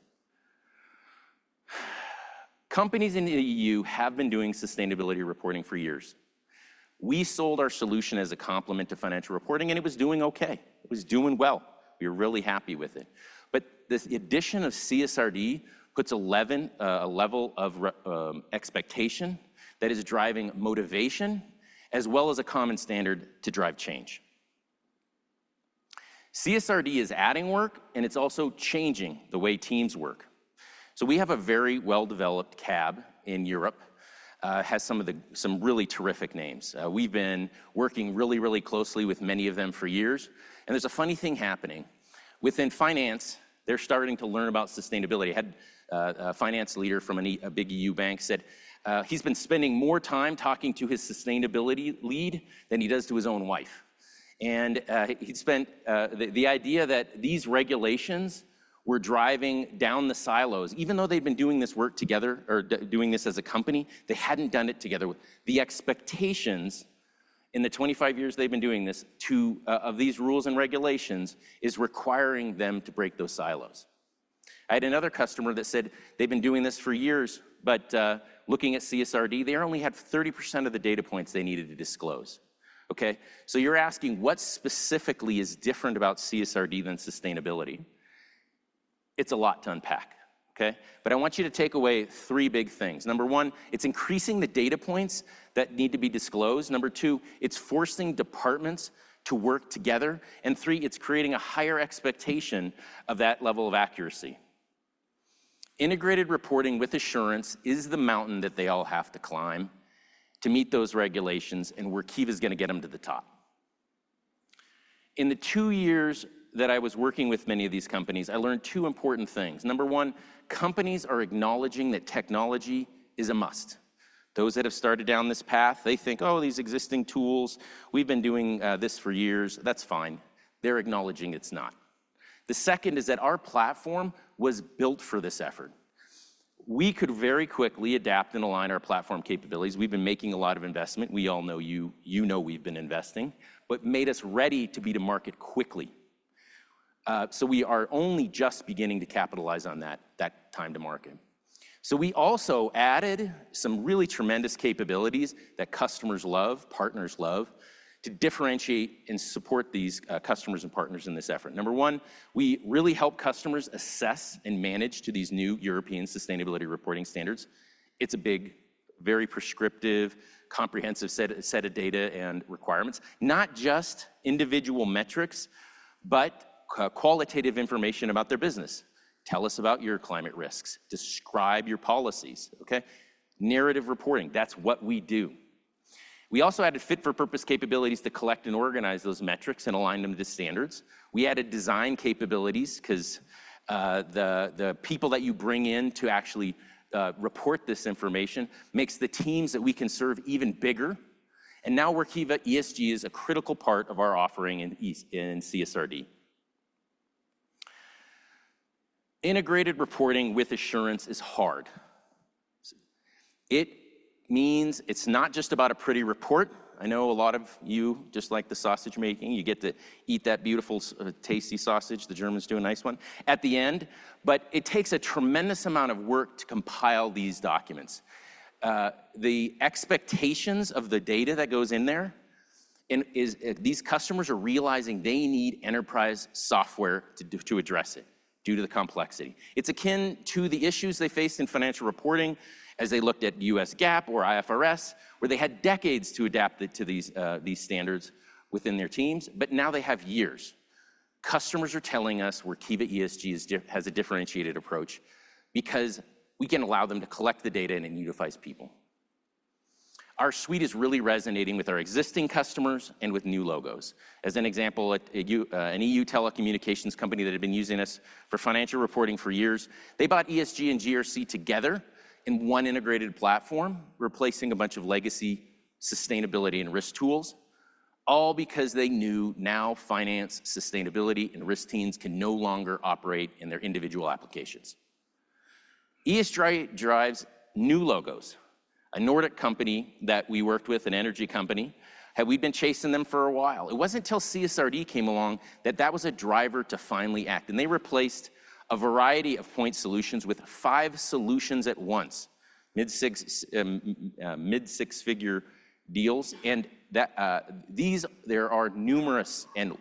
Speaker 4: Companies in the EU have been doing sustainability reporting for years. We sold our solution as a complement to financial reporting, and it was doing okay. It was doing well. We were really happy with it. But this addition of CSRD puts an elevated level of expectation that is driving motivation, as well as a common standard to drive change. CSRD is adding work, and it's also changing the way teams work. So we have a very well-developed customer base in Europe that has some really terrific names. We've been working really, really closely with many of them for years, and there's a funny thing happening. Within finance, they're starting to learn about sustainability. I had a finance leader from a big EU bank said he's been spending more time talking to his sustainability lead than he does to his own wife. And the idea that these regulations were driving down the silos, even though they've been doing this work together or doing this as a company, they hadn't done it together. The expectations, in the 25 years they've been doing this, to of these rules and regulations, is requiring them to break those silos. I had another customer that said they've been doing this for years, but looking at CSRD, they only had 30% of the data points they needed to disclose. Okay, so you're asking, what specifically is different about CSRD than sustainability? It's a lot to unpack, okay? But I want you to take away three big things. Number one, it's increasing the data points that need to be disclosed. Number two, it's forcing departments to work together. And three, it's creating a higher expectation of that level of accuracy. Integrated reporting with assurance is the mountain that they all have to climb to meet those regulations, and Workiva is gonna get them to the top. In the two years that I was working with many of these companies, I learned two important things. Number one, companies are acknowledging that technology is a must. Those that have started down this path, they think, "Oh, these existing tools, we've been doing this for years. That's fine." They're acknowledging it's not. The second is that our platform was built for this effort. We could very quickly adapt and align our platform capabilities. We've been making a lot of investment. We all know you. You know we've been investing, but made us ready to be to market quickly. So we are only just beginning to capitalize on that time to market. So we also added some really tremendous capabilities that customers love, partners love, to differentiate and support these customers and partners in this effort. Number one, we really help customers assess and manage to these new European Sustainability Reporting Standards. It's a big, very prescriptive, comprehensive set of data and requirements. Not just individual metrics, but qualitative information about their business. Tell us about your climate risks. Describe your policies, okay? Narrative reporting, that's what we do. We also added fit-for-purpose capabilities to collect and organize those metrics and align them to standards. We added design capabilities 'cause the people that you bring in to actually report this information makes the teams that we can serve even bigger. And now, Workiva ESG is a critical part of our offering in CSRD. Integrated reporting with assurance is hard. It means it's not just about a pretty report. I know a lot of you, just like the sausage-making, you get to eat that beautiful, tasty sausage, the Germans do a nice one, at the end. But it takes a tremendous amount of work to compile these documents. The expectations of the data that goes in there and these customers are realizing they need enterprise software to address it due to the complexity. It's akin to the issues they faced in financial reporting as they looked at U.S. GAAP or IFRS, where they had decades to adapt it to these standards within their teams, but now they have years. Customers are telling us Workiva ESG has a differentiated approach because we can allow them to collect the data and it unifies people. Our suite is really resonating with our existing customers and with new logos. As an example, at an EU telecommunications company that had been using us for financial reporting for years, they bought ESG and GRC together in one integrated platform, replacing a bunch of legacy, sustainability, and risk tools, all because they knew now finance, sustainability, and risk teams can no longer operate in their individual applications. ESG drives new logos. A Nordic company that we worked with, an energy company, had we been chasing them for a while. It wasn't until CSRD came along that that was a driver to finally act, and they replaced a variety of point solutions with five solutions at once. Mid-six-figure deals, and that there are numerous and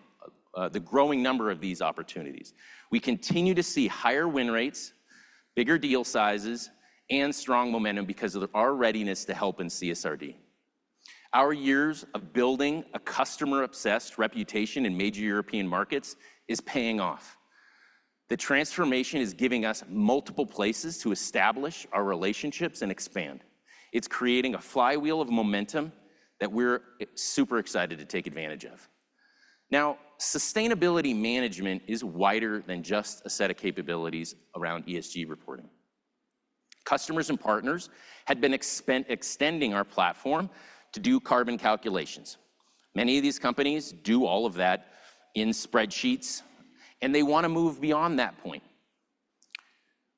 Speaker 4: the growing number of these opportunities. We continue to see higher win rates, bigger deal sizes, and strong momentum because of our readiness to help in CSRD. Our years of building a customer-obsessed reputation in major European markets is paying off. The transformation is giving us multiple places to establish our relationships and expand. It's creating a flywheel of momentum that we're super excited to take advantage of. Now, Sustainability Management is wider than just a set of capabilities around ESG reporting. Customers and partners had been extending our platform to do carbon calculations. Many of these companies do all of that in spreadsheets, and they wanna move beyond that point.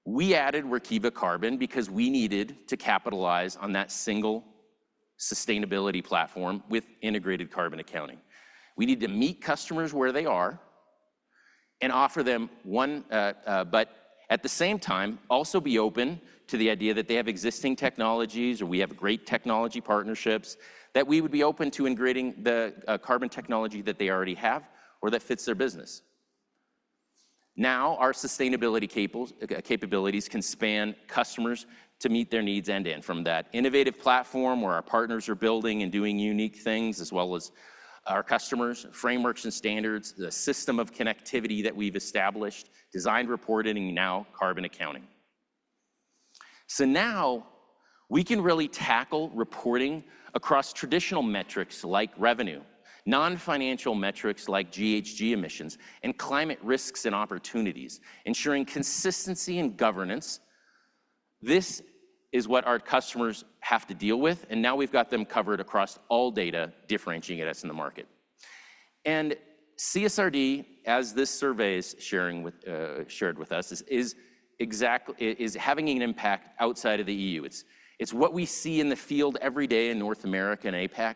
Speaker 4: We added Workiva Carbon because we needed to capitalize on that single sustainability platform with integrated carbon accounting. We need to meet customers where they are and offer them one. But at the same time, also be open to the idea that they have existing technologies, or we have great technology partnerships, that we would be open to integrating the carbon technology that they already have or that fits their business. Now, our sustainability capabilities can span customers to meet their needs end-to-end, from that innovative platform where our partners are building and doing unique things, as well as our customers, frameworks and standards, the system of connectivity that we've established, design, reporting, and now carbon accounting. So now we can really tackle reporting across traditional metrics like revenue, non-financial metrics like GHG emissions, and climate risks and opportunities, ensuring consistency in governance. This is what our customers have to deal with, and now we've got them covered across all data, differentiating us in the market. And CSRD, as this survey shared with us, is exactly having an impact outside of the EU. It's what we see in the field every day in North America and APAC.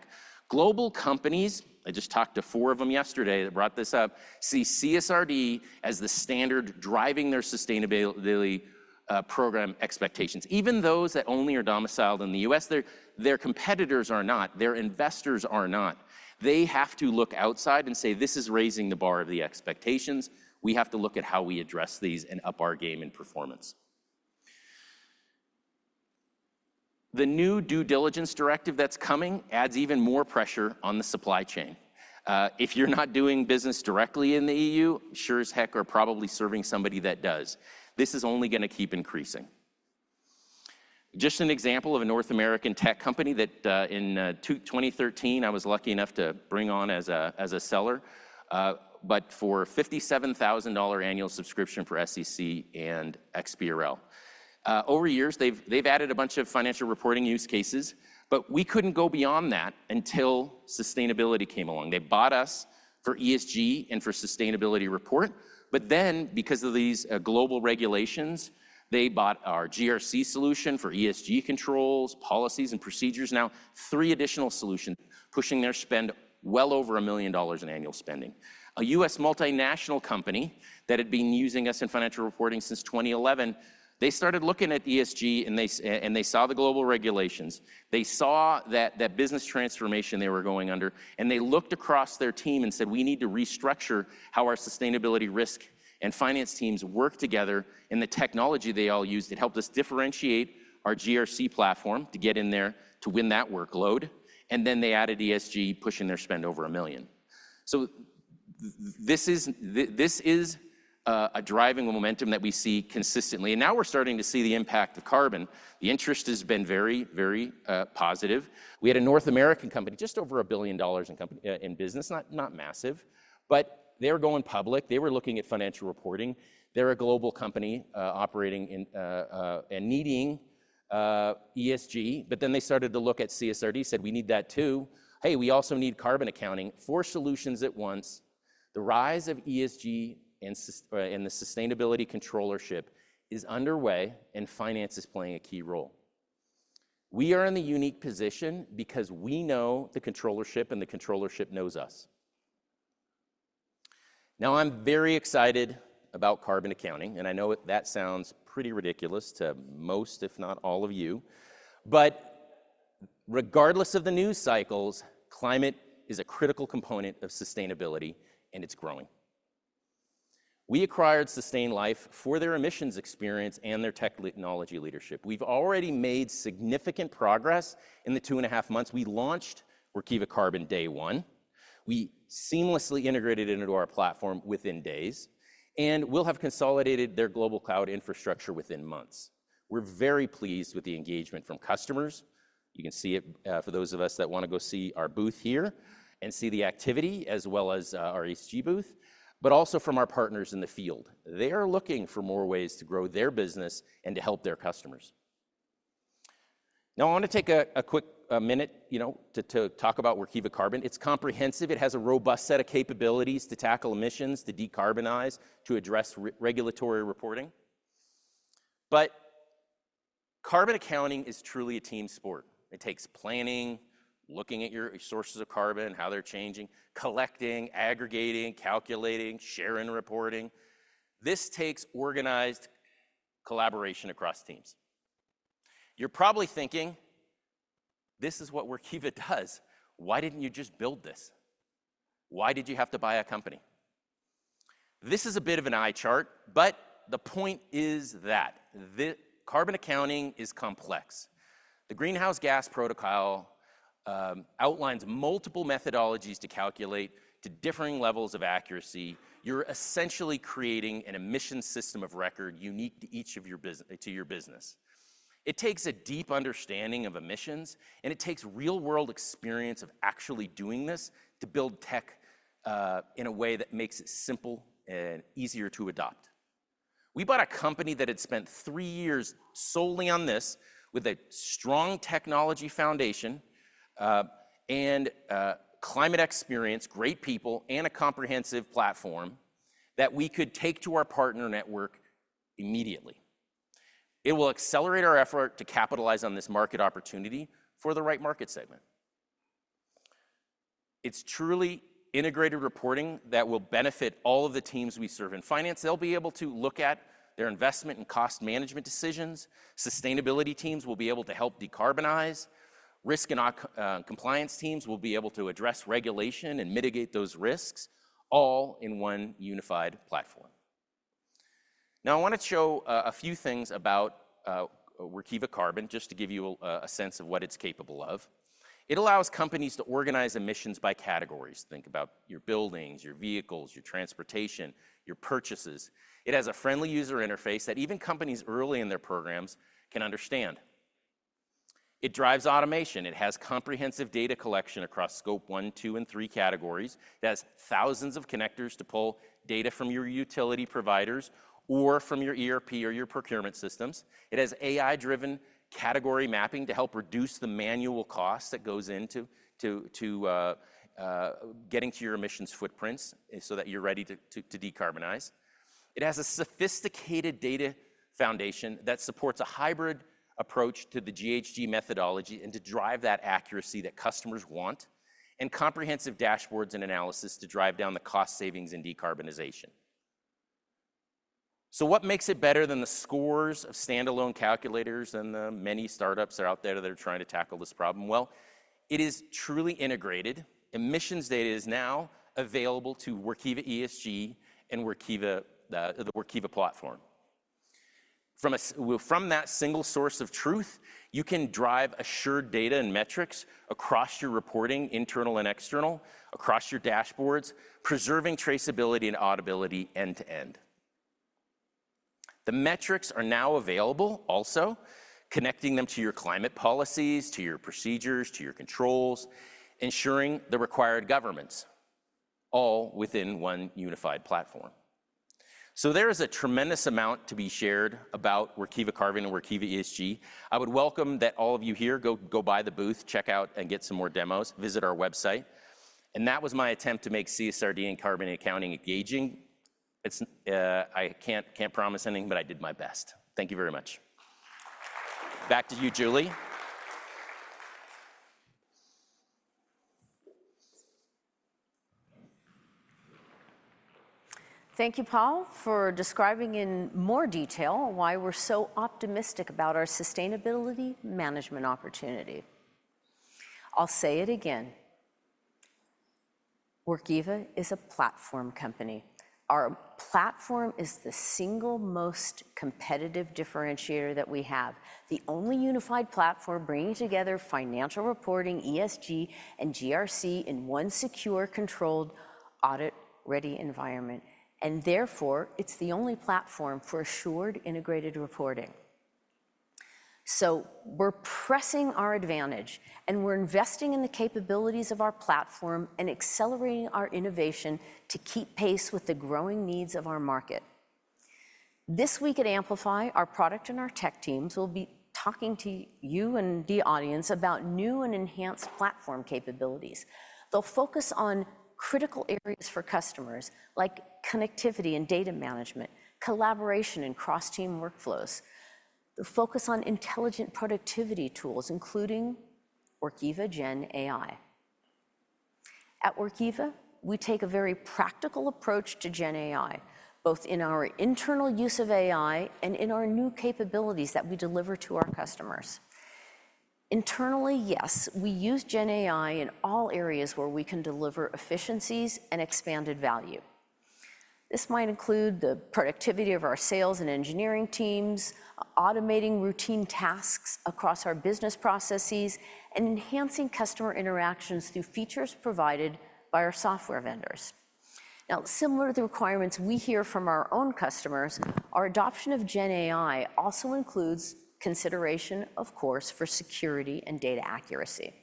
Speaker 4: Global companies, I just talked to four of them yesterday that brought this up, see CSRD as the standard driving their sustainability, program expectations. Even those that only are domiciled in the U.S., their, their competitors are not, their investors are not. They have to look outside and say, "This is raising the bar of the expectations. We have to look at how we address these and up our game and performance." The new Due Diligence Directive that's coming adds even more pressure on the supply chain. If you're not doing business directly in the E.U., sure as heck are probably serving somebody that does. This is only gonna keep increasing. Just an example of a North American tech company that in 2013 I was lucky enough to bring on as a seller but for a $57,000 annual subscription for SEC and XBRL. Over years, they've added a bunch of financial reporting use cases, but we couldn't go beyond that until sustainability came along. They bought us for ESG and for sustainability report, but then because of these global regulations, they bought our GRC solution for ESG controls, policies, and procedures. Now three additional solutions pushing their spend well over $1 million in annual spending. A US multinational company that had been using us in financial reporting since 2011. They started looking at ESG, and they saw the global regulations. They saw that business transformation they were going under, and they looked across their team and said, "We need to restructure how our sustainability risk and finance teams work together," and the technology they all used, it helped us differentiate our GRC platform to get in there to win that workload, and then they added ESG, pushing their spend over $1 million. So this is a driving momentum that we see consistently, and now we're starting to see the impact of carbon. The interest has been very, very positive. We had a North American company, just over $1 billion in company, in business. Not massive, but they were going public. They were looking at financial reporting. They're a global company, operating in, and needing ESG. But then they started to look at CSRD, said, "We need that, too. Hey, we also need carbon accounting." Four solutions at once. The rise of ESG and sustainability controllership is underway, and finance is playing a key role. We are in the unique position because we know the controllership, and the controllership knows us. Now, I'm very excited about carbon accounting, and I know it that sounds pretty ridiculous to most, if not all, of you. But regardless of the news cycles, climate is a critical component of sustainability, and it's growing. We acquired Sustain.Life for their emissions experience and their technology leadership. We've already made significant progress in the two and a half months. We launched Workiva Carbon day one, we seamlessly integrated it into our platform within days, and we'll have consolidated their global cloud infrastructure within months. We're very pleased with the engagement from customers. You can see it, for those of us that wanna go see our booth here and see the activity, as well as our ESG booth, but also from our partners in the field. They are looking for more ways to grow their business and to help their customers. Now, I wanna take a quick minute, you know, to talk about Workiva Carbon. It's comprehensive. It has a robust set of capabilities to tackle emissions, to decarbonize, to address regulatory reporting. But carbon accounting is truly a team sport. It takes planning, looking at your sources of carbon and how they're changing, collecting, aggregating, calculating, sharing, and reporting. This takes organized collaboration across teams. You're probably thinking, "This is what Workiva does. Why didn't you just build this? Why did you have to buy a company?" This is a bit of an eye chart, but the point is that the carbon accounting is complex. The Greenhouse Gas Protocol outlines multiple methodologies to calculate to differing levels of accuracy. You're essentially creating an emission system of record unique to each of your business. It takes a deep understanding of emissions, and it takes real-world experience of actually doing this to build tech in a way that makes it simple and easier to adopt. We bought a company that had spent three years solely on this, with a strong technology foundation, and climate experience, great people, and a comprehensive platform that we could take to our partner network immediately. It will accelerate our effort to capitalize on this market opportunity for the right market segment. It's truly integrated reporting that will benefit all of the teams we serve. In finance, they'll be able to look at their investment and cost management decisions. Sustainability teams will be able to help decarbonize. Risk and compliance teams will be able to address regulation and mitigate those risks, all in one unified platform. Now, I wanna show a few things about Workiva Carbon, just to give you a sense of what it's capable of. It allows companies to organize emissions by categories. Think about your buildings, your vehicles, your transportation, your purchases. It has a friendly user interface that even companies early in their programs can understand. It drives automation. It has comprehensive data collection across Scope 1, 2, and 3 categories. It has thousands of connectors to pull data from your utility providers or from your ERP or your procurement systems. It has AI-driven category mapping to help reduce the manual cost that goes into getting to your emissions footprints, so that you're ready to decarbonize. It has a sophisticated data foundation that supports a hybrid approach to the GHG methodology and to drive that accuracy that customers want, and comprehensive dashboards and analysis to drive down the cost savings and decarbonization. So what makes it better than the scores of standalone calculators and the many startups that are out there that are trying to tackle this problem? Well, it is truly integrated. Emissions data is now available to Workiva ESG and Workiva, the Workiva platform. From a well, from that single source of truth, you can drive assured data and metrics across your reporting, internal and external, across your dashboards, preserving traceability and auditability end to end. The metrics are now available, also, connecting them to your climate policies, to your procedures, to your controls, ensuring the required governance, all within one unified platform. So there is a tremendous amount to be shared about Workiva Carbon and Workiva ESG. I would welcome that all of you here go by the booth, check out, and get some more demos. Visit our website. And that was my attempt to make CSRD and carbon accounting engaging. It's. I can't promise anything, but I did my best. Thank you very much. Back to you, Julie.
Speaker 3: Thank you, Paul, for describing in more detail why we're so optimistic about our Sustainability Management opportunity. I'll say it again, Workiva is a platform company. Our platform is the single most competitive differentiator that we have, the only unified platform bringing together financial reporting, ESG, and GRC in one secure, controlled, audit-ready environment, and therefore, it's the only platform for assured integrated reporting. So we're pressing our advantage, and we're investing in the capabilities of our platform and accelerating our innovation to keep pace with the growing needs of our market. This week at Amplify, our product and our tech teams will be talking to you and the audience about new and enhanced platform capabilities. They'll focus on critical areas for customers, like connectivity and data management, collaboration and cross-team workflows. They'll focus on intelligent productivity tools, including Workiva Gen AI. At Workiva, we take a very practical approach to Gen AI, both in our internal use of AI and in our new capabilities that we deliver to our customers. Internally, yes, we use Gen AI in all areas where we can deliver efficiencies and expanded value. This might include the productivity of our sales and engineering teams, automating routine tasks across our business processes, and enhancing customer interactions through features provided by our software vendors. Now, similar to the requirements we hear from our own customers, our adoption of Gen AI also includes consideration, of course, for security and data accuracy,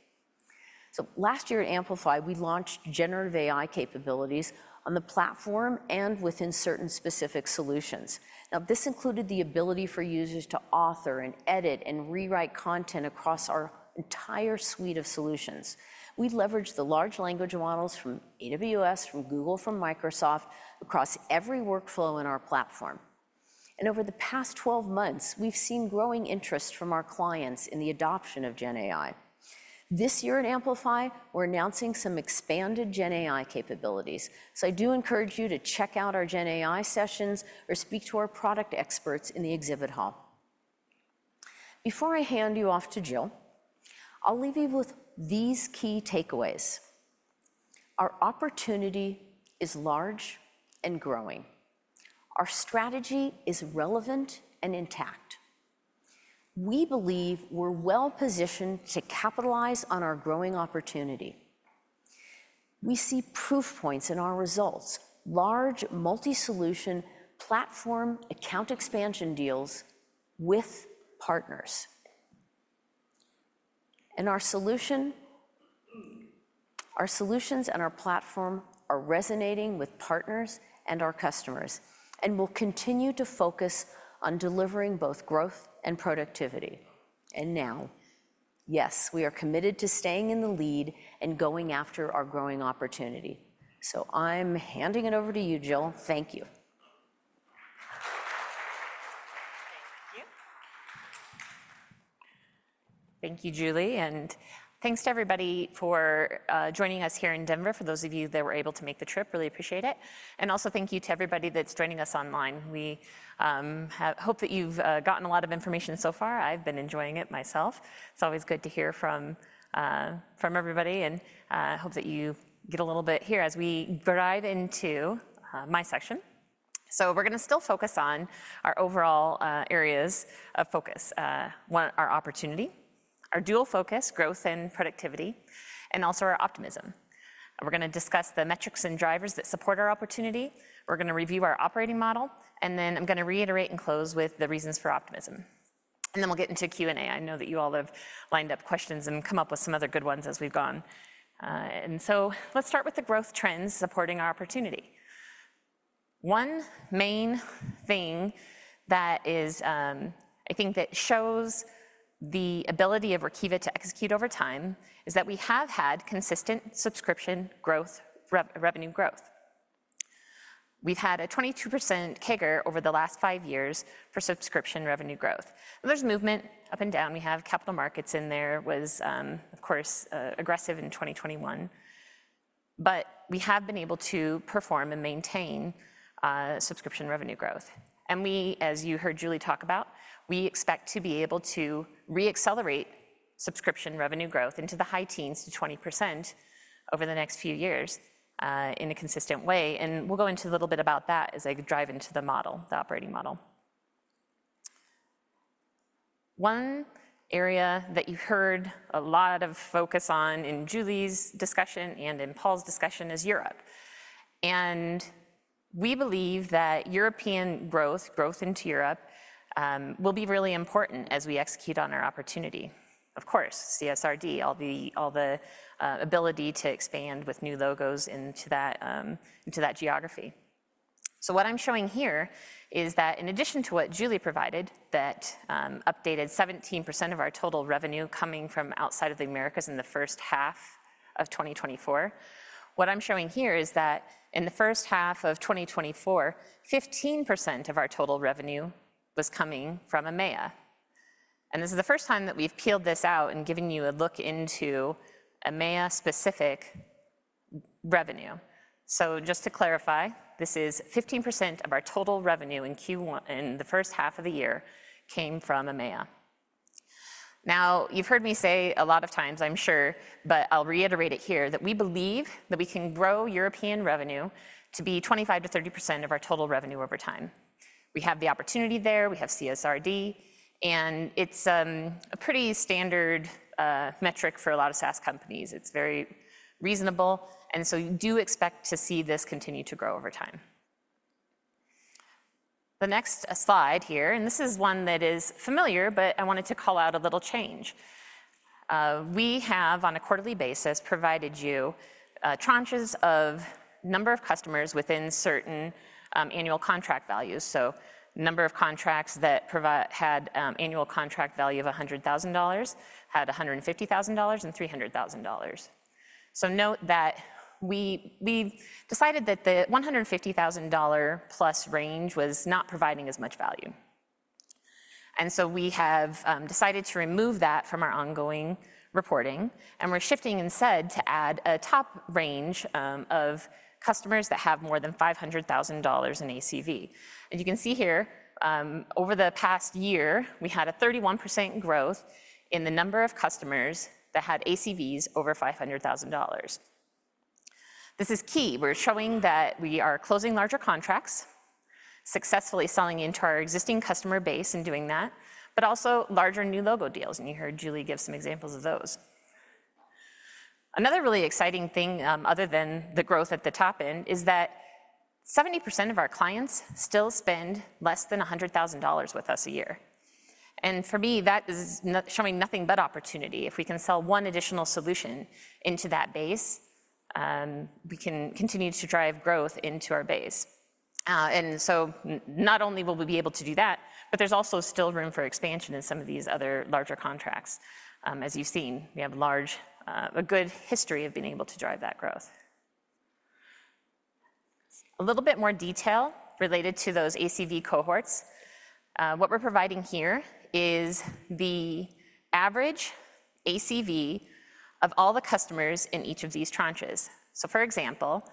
Speaker 3: so last year at Amplify, we launched generative AI capabilities on the platform and within certain specific solutions. Now, this included the ability for users to author and edit and rewrite content across our entire suite of solutions. We leveraged the large language models from AWS, from Google, from Microsoft, across every workflow in our platform. And over the past 12 months, we've seen growing interest from our clients in the adoption of Gen AI. This year at Amplify, we're announcing some expanded Gen AI capabilities, so I do encourage you to check out our Gen AI sessions or speak to our product experts in the exhibit hall. Before I hand you off to Jill, I'll leave you with these key takeaways: Our opportunity is large and growing. Our strategy is relevant and intact. We believe we're well-positioned to capitalize on our growing opportunity. We see proof points in our results, large multi-solution platform account expansion deals with partners. And our solution - our solutions and our platform are resonating with partners and our customers, and we'll continue to focus on delivering both growth and productivity. And now, yes, we are committed to staying in the lead and going after our growing opportunity. So I'm handing it over to you, Jill. Thank you.
Speaker 5: Thank you. Thank you, Julie, and thanks to everybody for joining us here in Denver. For those of you that were able to make the trip, really appreciate it, and also thank you to everybody that's joining us online. We hope that you've gotten a lot of information so far. I've been enjoying it myself. It's always good to hear from everybody, and I hope that you get a little bit here as we dive into my section. So we're gonna still focus on our overall areas of focus. One, our opportunity, our dual focus, growth and productivity, and also our optimism. We're gonna discuss the metrics and drivers that support our opportunity. We're gonna review our operating model, and then I'm gonna reiterate and close with the reasons for optimism, and then we'll get into Q&A. I know that you all have lined up questions and come up with some other good ones as we've gone. And so let's start with the growth trends supporting our opportunity. One main thing that is, I think that shows the ability of Workiva to execute over time is that we have had consistent subscription revenue growth. We've had a 22% CAGR over the last five years for subscription revenue growth. There's movement up and down. We have capital markets in there, was, of course, aggressive in 2021. But we have been able to perform and maintain subscription revenue growth. And we, as you heard Julie talk about, we expect to be able to re-accelerate subscription revenue growth into the high teens to 20% over the next few years, in a consistent way, and we'll go into a little bit about that as I drive into the model, the operating model. One area that you heard a lot of focus on in Julie's discussion and in Paul's discussion is Europe. And we believe that European growth, growth into Europe, will be really important as we execute on our opportunity. Of course, CSRD, all the ability to expand with new logos into that geography. What I'm showing here is that in addition to what Julie provided, that updated 17% of our total revenue coming from outside of the Americas in the first half of 2024. What I'm showing here is that in the first half of 2024, 15% of our total revenue was coming from EMEA. And this is the first time that we've peeled this out and giving you a look into EMEA-specific revenue. Just to clarify, this is 15% of our total revenue in Q1, in the first half of the year, came from EMEA. Now, you've heard me say a lot of times, I'm sure, but I'll reiterate it here, that we believe that we can grow European revenue to be 25%-30% of our total revenue over time. We have the opportunity there. We have CSRD, and it's a pretty standard metric for a lot of SaaS companies. It's very reasonable, and so you do expect to see this continue to grow over time. The next slide here, and this is one that is familiar, but I wanted to call out a little change. We have, on a quarterly basis, provided you tranches of number of customers within certain annual contract values. So number of contracts that had annual contract value of $100,000, $150,000, and $300,000. So note that we decided that the $150,000-plus range was not providing as much value. And so we have decided to remove that from our ongoing reporting, and we're shifting instead to add a top range of customers that have more than $500,000 in ACV. And you can see here over the past year, we had a 31% growth in the number of customers that had ACVs over $500,000. This is key. We're showing that we are closing larger contracts, successfully selling into our existing customer base and doing that, but also larger new logo deals, and you heard Julie give some examples of those. Another really exciting thing other than the growth at the top end is that 70% of our clients still spend less than $100,000 with us a year. And for me, that is showing nothing but opportunity. If we can sell one additional solution into that base, we can continue to drive growth into our base, and so not only will we be able to do that, but there's also still room for expansion in some of these other larger contracts. As you've seen, we have a good history of being able to drive that growth. A little bit more detail related to those ACV cohorts. What we're providing here is the average ACV of all the customers in each of these tranches. So, for example,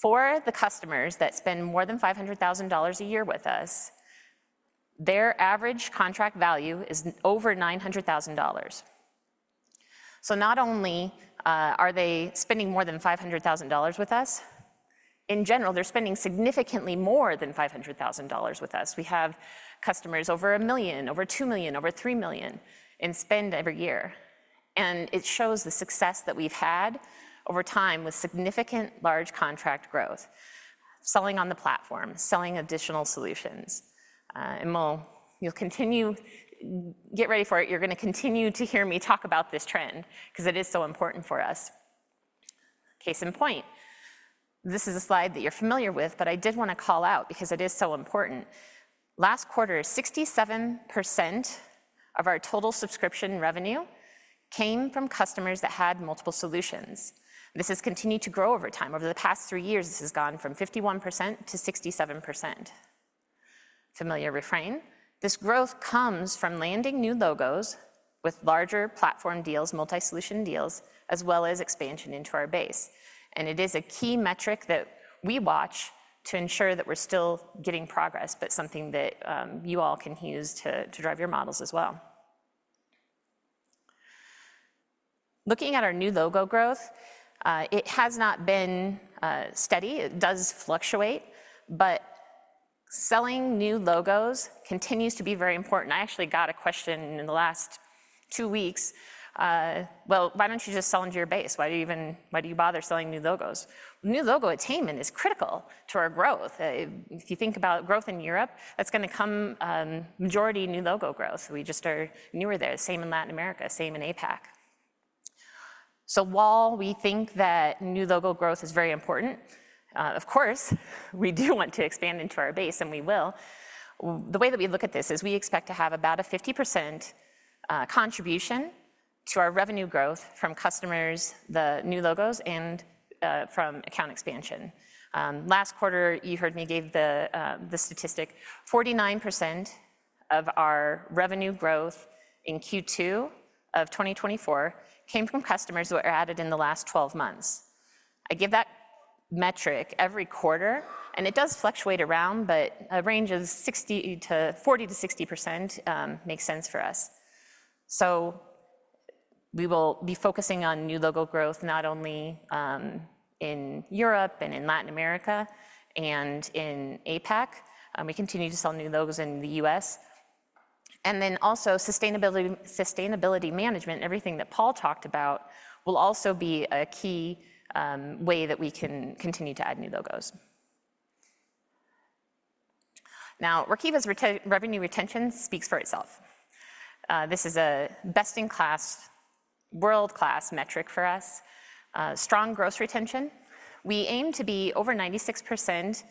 Speaker 5: for the customers that spend more than $500,000 a year with us, their average contract value is over $900,000. So not only are they spending more than $500,000 with us, in general, they're spending significantly more than $500,000 with us. We have customers over $1 million, over $2 million, over $3 million in spend every year, and it shows the success that we've had over time with significant large contract growth, selling on the platform, selling additional solutions. And you'll continue. Get ready for it. You're gonna continue to hear me talk about this trend 'cause it is so important for us. Case in point, this is a slide that you're familiar with, but I did wanna call out because it is so important. Last quarter, 67% of our total subscription revenue came from customers that had multiple solutions. This has continued to grow over time. Over the past three years, this has gone from 51%-67%. Familiar refrain, this growth comes from landing new logos with larger platform deals, multi-solution deals, as well as expansion into our base, and it is a key metric that we watch to ensure that we're still getting progress, but something that you all can use to drive your models as well. Looking at our new logo growth, it has not been steady. It does fluctuate, but selling new logos continues to be very important. I actually got a question in the last two weeks: "Well, why don't you just sell into your base? Why do you even... Why do you bother selling new logos?" New logo attainment is critical to our growth. If you think about growth in Europe, that's gonna come majority new logo growth. We just are newer there. Same in Latin America, same in APAC. While we think that new logo growth is very important, of course, we do want to expand into our base, and we will. The way that we look at this is we expect to have about a 50% contribution to our revenue growth from customers, the new logos, and from account expansion. Last quarter, you heard me gave the statistic, 49% of our revenue growth in Q2 of 2024 came from customers who were added in the last 12 months. I give that metric every quarter, and it does fluctuate around, but a range of 40%-60% makes sense for us. We will be focusing on new logo growth not only in Europe and in Latin America and in APAC, we continue to sell new logos in the U.S. And then also, sustainability, sustainability management, everything that Paul talked about, will also be a key way that we can continue to add new logos. Now, Workiva's revenue retention speaks for itself. This is a best-in-class, world-class metric for us. Strong gross retention. We aim to be over 96%,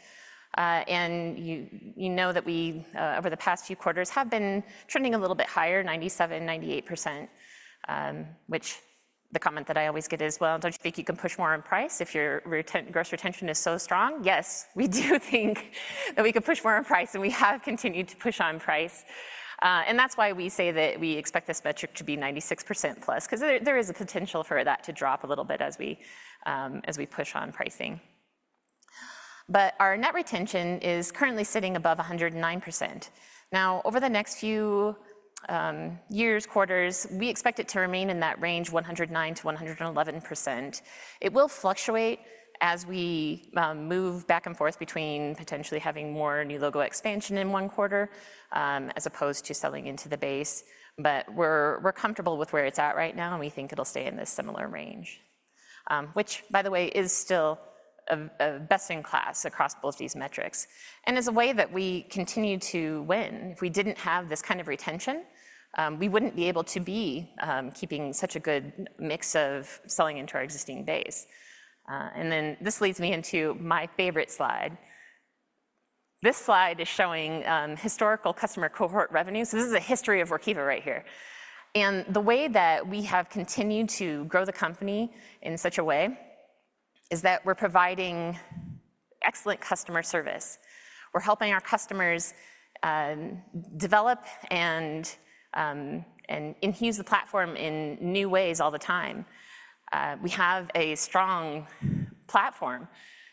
Speaker 5: and you know that we over the past few quarters have been trending a little bit higher, 97%-98%. Which the comment that I always get is: "Well, don't you think you can push more on price if your gross retention is so strong?" Yes, we do think that we can push more on price, and we have continued to push on price. And that's why we say that we expect this metric to be 96% plus, 'cause there is a potential for that to drop a little bit as we as we push on pricing. But our net retention is currently sitting above 109%. Now, over the next few years, quarters, we expect it to remain in that range, 109%-111%. It will fluctuate as we move back and forth between potentially having more new logo expansion in one quarter as opposed to selling into the base, but we're comfortable with where it's at right now, and we think it'll stay in this similar range. Which, by the way, is still a best-in-class across both these metrics and is a way that we continue to win. If we didn't have this kind of retention, we wouldn't be able to be keeping such a good mix of selling into our existing base, and then this leads me into my favorite slide. This slide is showing historical customer cohort revenue, so this is a history of Workiva right here. The way that we have continued to grow the company in such a way is that we're providing excellent customer service. We're helping our customers develop and use the platform in new ways all the time. We have a strong platform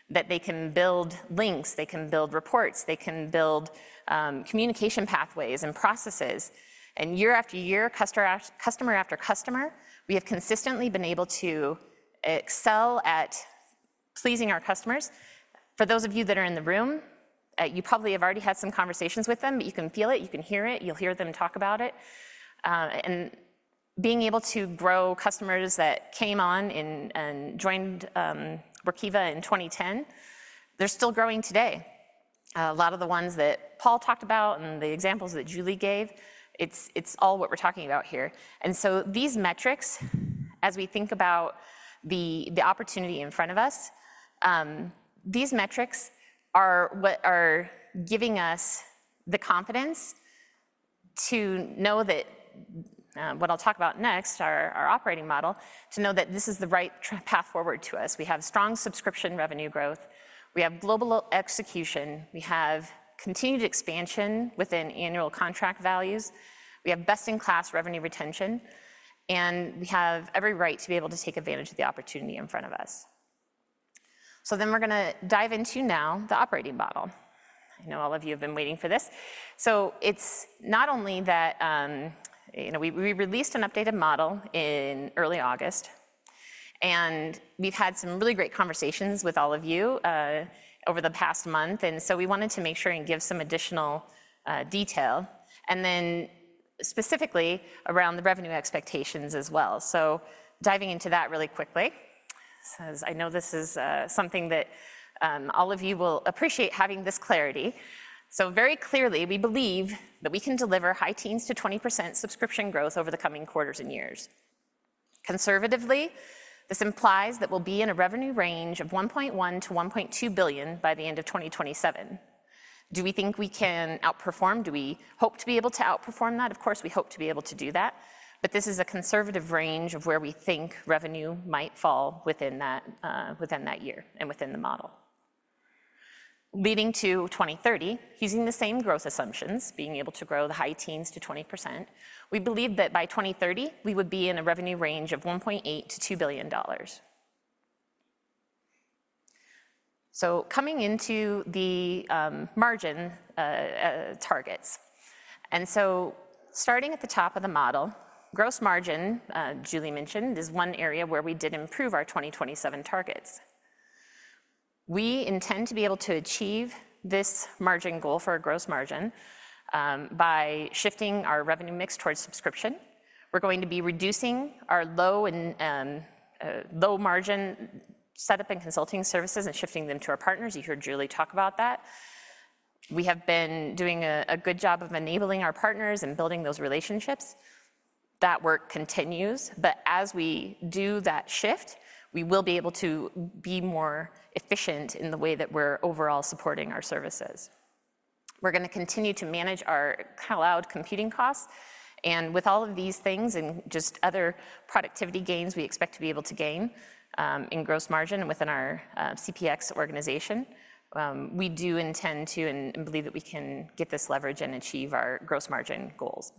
Speaker 5: that they can build links, they can build reports, they can build communication pathways and processes. Year after year, customer after customer, we have consistently been able to excel at pleasing our customers. For those of you that are in the room, you probably have already had some conversations with them, but you can feel it, you can hear it, you'll hear them talk about it, and being able to grow customers that came on and joined Workiva in 2010, they're still growing today. A lot of the ones that Paul talked about and the examples that Julie gave, it's all what we're talking about here, and so these metrics, as we think about the opportunity in front of us, these metrics are what are giving us the confidence to know that what I'll talk about next, our operating model, to know that this is the right path forward to us. We have strong subscription revenue growth. We have global execution. We have continued expansion within annual contract values. We have best-in-class revenue retention, and we have every right to be able to take advantage of the opportunity in front of us. Then we're gonna dive into now the operating model. I know all of you have been waiting for this. It's not only that. You know, we released an updated model in early August, and we've had some really great conversations with all of you over the past month, and so we wanted to make sure and give some additional detail, and then specifically around the revenue expectations as well. Diving into that really quickly, 'cause I know this is something that all of you will appreciate having this clarity. Very clearly, we believe that we can deliver high teens to 20% subscription growth over the coming quarters and years. Conservatively, this implies that we'll be in a revenue range of $1.1-$1.2 billion by the end of 2027. Do we think we can outperform? Do we hope to be able to outperform that? Of course, we hope to be able to do that, but this is a conservative range of where we think revenue might fall within that, within that year and within the model. Leading to 2030, using the same growth assumptions, being able to grow the high teens to 20%, we believe that by 2030, we would be in a revenue range of $1.8-$2 billion. So coming into the margin targets. And so starting at the top of the model, gross margin, Julie mentioned, is one area where we did improve our 2027 targets. We intend to be able to achieve this margin goal for our gross margin by shifting our revenue mix towards subscription. We're going to be reducing our low-margin setup and consulting services and shifting them to our partners. You heard Julie talk about that. We have been doing a good job of enabling our partners and building those relationships. That work continues, but as we do that shift, we will be able to be more efficient in the way that we're overall supporting our services. We're gonna continue to manage our cloud computing costs, and with all of these things and just other productivity gains we expect to be able to gain in gross margin within our CPX organization, we do intend to and believe that we can get this leverage and achieve our gross margin goals.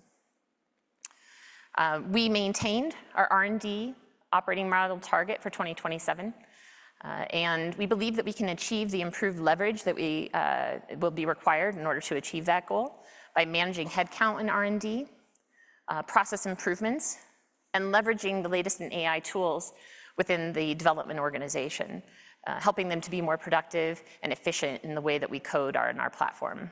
Speaker 5: We maintained our R&D operating model target for 2027, and we believe that we can achieve the improved leverage that we will be required in order to achieve that goal by managing headcount in R&D, process improvements, and leveraging the latest in AI tools within the development organization, helping them to be more productive and efficient in the way that we code our, in our platform,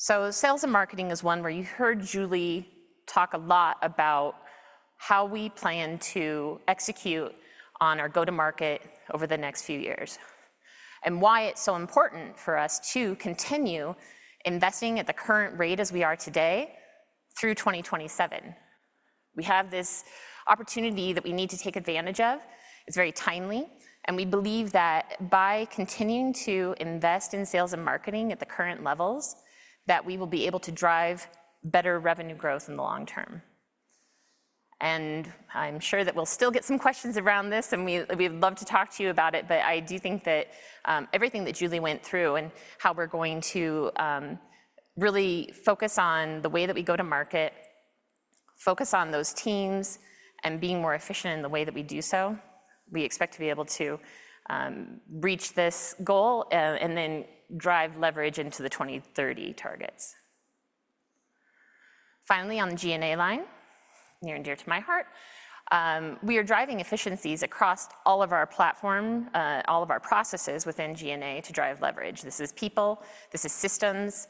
Speaker 5: so sales and marketing is one where you heard Julie talk a lot about how we plan to execute on our go-to-market over the next few years, and why it's so important for us to continue investing at the current rate as we are today through 2027. We have this opportunity that we need to take advantage of. It's very timely, and we believe that by continuing to invest in sales and marketing at the current levels, that we will be able to drive better revenue growth in the long term and I'm sure that we'll still get some questions around this, and we, we'd love to talk to you about it but I do think that everything that Julie went through and how we're going to really focus on the way that we go to market, focus on those teams, and being more efficient in the way that we do so, we expect to be able to reach this goal and then drive leverage into the 2030 targets. Finally, on the G&A line, near and dear to my heart, we are driving efficiencies across all of our platform, all of our processes within G&A to drive leverage. This is people, this is systems,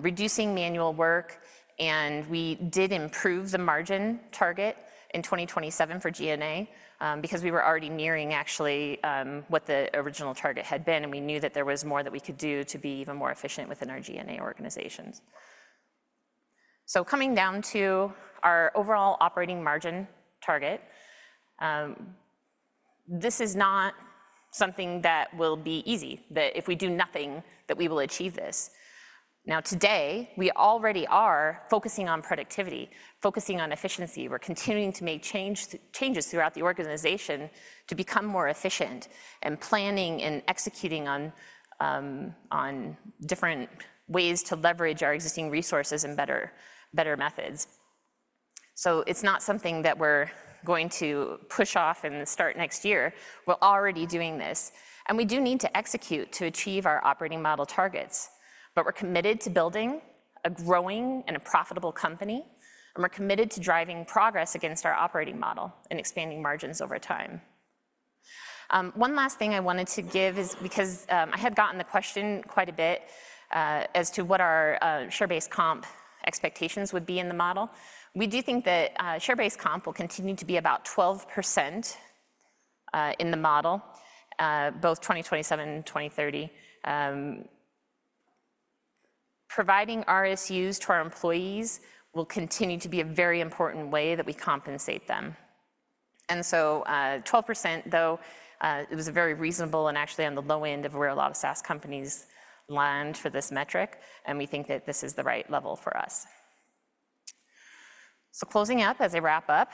Speaker 5: reducing manual work, and we did improve the margin target in 2027 for G&A, because we were already nearing actually what the original target had been, and we knew that there was more that we could do to be even more efficient within our G&A organizations. Coming down to our overall operating margin target, this is not something that will be easy, that if we do nothing, that we will achieve this. Now, today, we already are focusing on productivity, focusing on efficiency. We're continuing to make changes throughout the organization to become more efficient, and planning and executing on different ways to leverage our existing resources and better methods. It's not something that we're going to push off and start next year. We're already doing this, and we do need to execute to achieve our operating model targets. But we're committed to building a growing and a profitable company, and we're committed to driving progress against our operating model and expanding margins over time. One last thing I wanted to give is because I had gotten the question quite a bit, as to what our share-based comp expectations would be in the model. We do think that share-based comp will continue to be about 12% in the model both 2027 and 2030. Providing RSUs to our employees will continue to be a very important way that we compensate them. And so, 12%, though, it was very reasonable and actually on the low end of where a lot of SaaS companies land for this metric, and we think that this is the right level for us. So closing up, as I wrap up,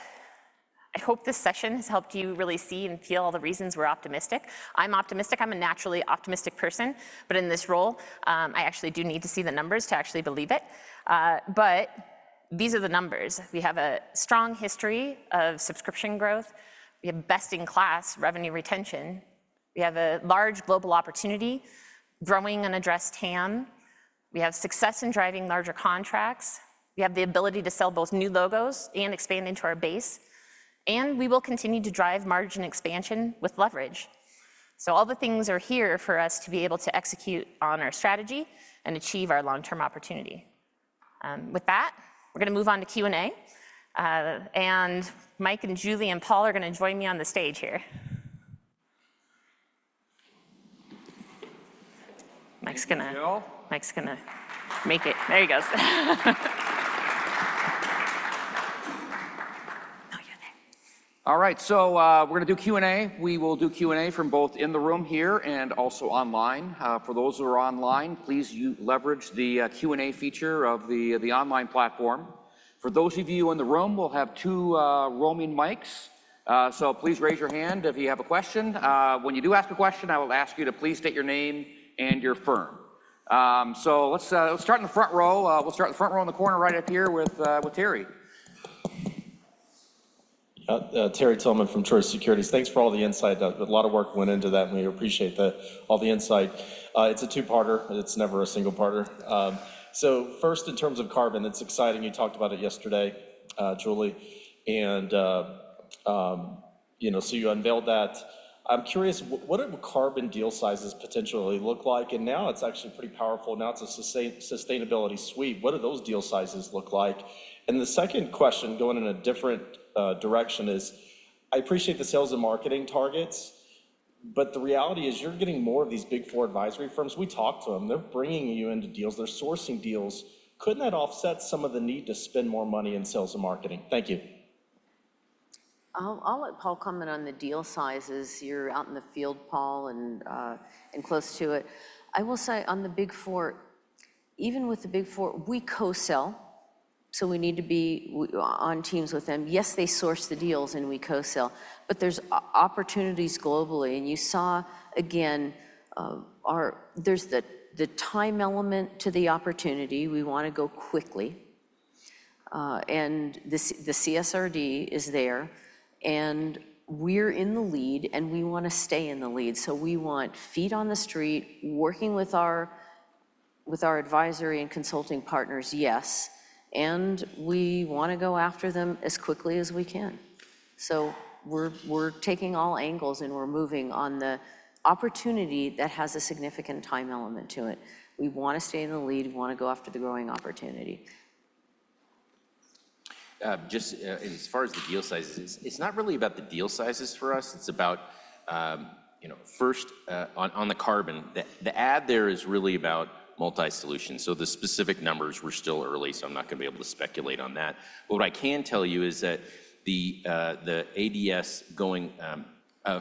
Speaker 5: I hope this session has helped you really see and feel all the reasons we're optimistic. I'm optimistic. I'm a naturally optimistic person, but in this role, I actually do need to see the numbers to actually believe it. But these are the numbers. We have a strong history of subscription growth. We have best-in-class revenue retention. We have a large global opportunity, growing and addressed TAM. We have success in driving larger contracts. We have the ability to sell both new logos and expand into our base, and we will continue to drive margin expansion with leverage. So all the things are here for us to be able to execute on our strategy and achieve our long-term opportunity. With that, we're gonna move on to Q&A, and Mike and Julie and Paul are gonna join me on the stage here. Mike's gonna-
Speaker 2: Thank you, Jill.
Speaker 5: Mike's gonna make it. There he goes. No, you're there.
Speaker 2: All right, so, we're gonna do Q&A. We will do Q&A from both in the room here and also online. For those who are online, please leverage the Q&A feature of the online platform. For those of you in the room, we'll have two roaming mics, so please raise your hand if you have a question. When you do ask a question, I will ask you to please state your name and your firm. So let's start in the front row. We'll start in the front row in the corner right up here with Terry.
Speaker 6: Terry Tillman from Truist Securities. Thanks for all the insight. A lot of work went into that, and we appreciate all the insight. It's a two-parter, it's never a single parter. So first, in terms of carbon, it's exciting you talked about it yesterday, Julie, and, you know, so you unveiled that. I'm curious, what did carbon deal sizes potentially look like? And now it's actually pretty powerful. Now, it's a sustainability suite. What do those deal sizes look like? And the second question, going in a different direction, is, I appreciate the sales and marketing targets, but the reality is, you're getting more of these Big Four advisory firms. We talk to them. They're bringing you into deals, they're sourcing deals. Couldn't that offset some of the need to spend more money in sales and marketing? Thank you.
Speaker 3: I'll let Paul comment on the deal sizes. You're out in the field, Paul, and close to it. I will say on the Big Four, even with the Big Four, we co-sell, so we need to be on teams with them. Yes, they source the deals, and we co-sell, but there's opportunities globally, and you saw again, our... There's the time element to the opportunity. We wanna go quickly, and the CSRD is there, and we're in the lead, and we wanna stay in the lead, so we want feet on the street. Working with our advisory and consulting partners, yes, and we wanna go after them as quickly as we can. So we're taking all angles, and we're moving on the opportunity that has a significant time element to it. We wanna stay in the lead. We wanna go after the growing opportunity.
Speaker 4: Just as far as the deal sizes, it's not really about the deal sizes for us. It's about, you know, first, on the carbon, the add there is really about multi-solution. So the specific numbers we're still early, so I'm not gonna be able to speculate on that. But what I can tell you is that the ADS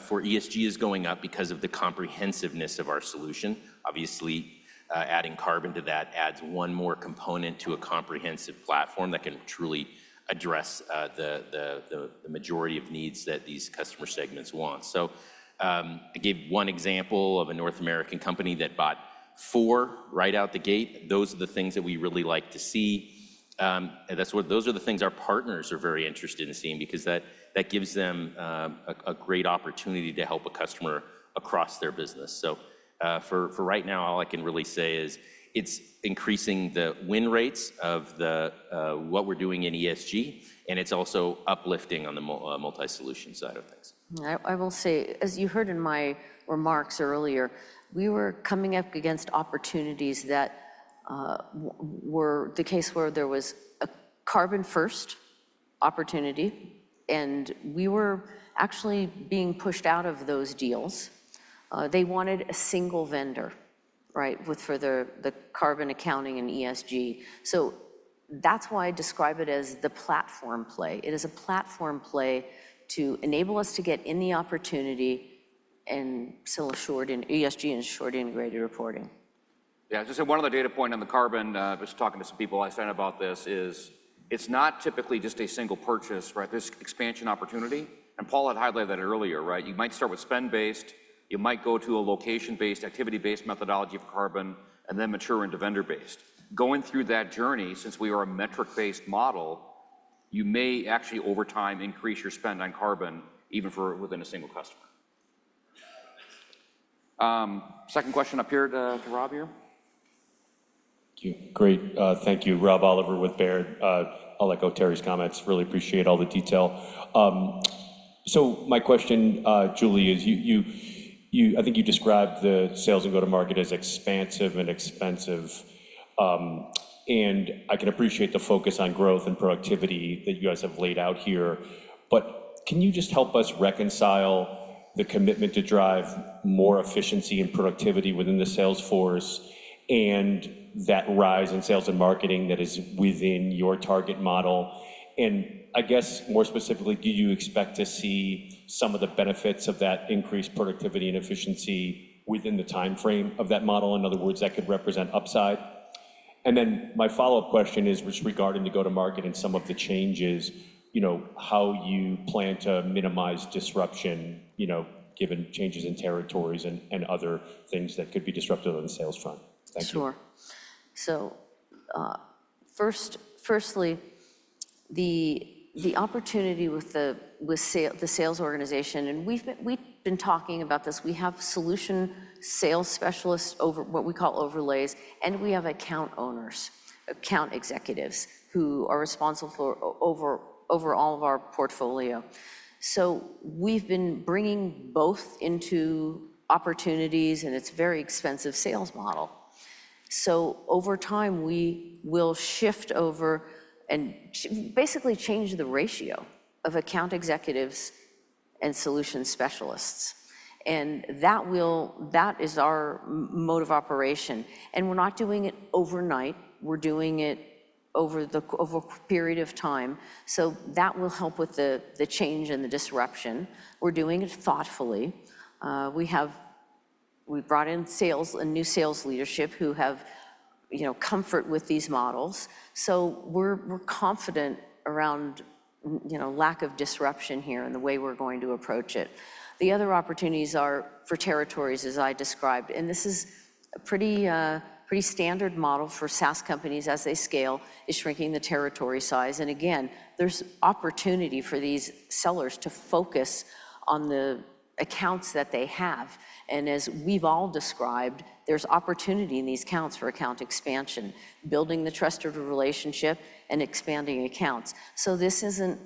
Speaker 4: for ESG is going up because of the comprehensiveness of our solution. Obviously, adding carbon to that adds one more component to a comprehensive platform that can truly address the majority of needs that these customer segments want. So I gave one example of a North American company that bought four right out the gate. Those are the things that we really like to see. Those are the things our partners are very interested in seeing because that gives them a great opportunity to help a customer across their business. For right now, all I can really say is it's increasing the win rates of what we're doing in ESG, and it's also uplifting on the multi-solution side of things.
Speaker 3: I will say, as you heard in my remarks earlier, we were coming up against opportunities that were the case where there was a carbon-first opportunity, and we were actually being pushed out of those deals. They wanted a single vendor, right? With the carbon accounting and ESG. So that's why I describe it as the platform play. It is a platform play to enable us to get in the opportunity and sell a suite in ESG and a suite integrated reporting.
Speaker 2: Yeah, just one other data point on the carbon. I was talking to some people last night about this. It's not typically just a single purchase, right? This expansion opportunity, and Paul had highlighted that earlier, right? You might start with spend-based, you might go to a location-based, activity-based methodology of carbon, and then mature into vendor-based. Going through that journey, since we are a metric-based model, you may actually over time increase your spend on carbon even within a single customer. Second question up here to Rob here.
Speaker 7: Thank you. Great. Thank you. Rob Oliver with Baird. I'll echo Terry's comments. Really appreciate all the detail. So my question, Julie, is I think you described the sales and go-to-market as expansive and expensive. And I can appreciate the focus on growth and productivity that you guys have laid out here, but can you just help us reconcile the commitment to drive more efficiency and productivity within the sales force and that rise in sales and marketing that is within your target model? And I guess, more specifically, do you expect to see some of the benefits of that increased productivity and efficiency within the time frame of that model? In other words, that could represent upside. And then my follow-up question is just regarding the go-to-market and some of the changes, you know, how you plan to minimize disruption, you know, given changes in territories and other things that could be disruptive on the sales front. Thank you.
Speaker 3: Sure. So first, the opportunity with the sales organization, and we've been talking about this. We have solution sales specialists over what we call overlays, and we have account owners, account executives, who are responsible for over all of our portfolio. So we've been bringing both into opportunities, and it's a very expensive sales model. So over time, we will shift over and basically change the ratio of account executives and solution specialists, and that will. That is our mode of operation, and we're not doing it overnight. We're doing it over a period of time, so that will help with the change and the disruption. We're doing it thoughtfully. We brought in a new sales leadership who have, you know, comfort with these models. So we're confident around, you know, lack of disruption here and the way we're going to approach it. The other opportunities are for territories, as I described, and this is a pretty, pretty standard model for SaaS companies as they scale, is shrinking the territory size. And again, there's opportunity for these sellers to focus on the accounts that they have. And as we've all described, there's opportunity in these accounts for account expansion, building the trusted relationship, and expanding accounts. So this isn't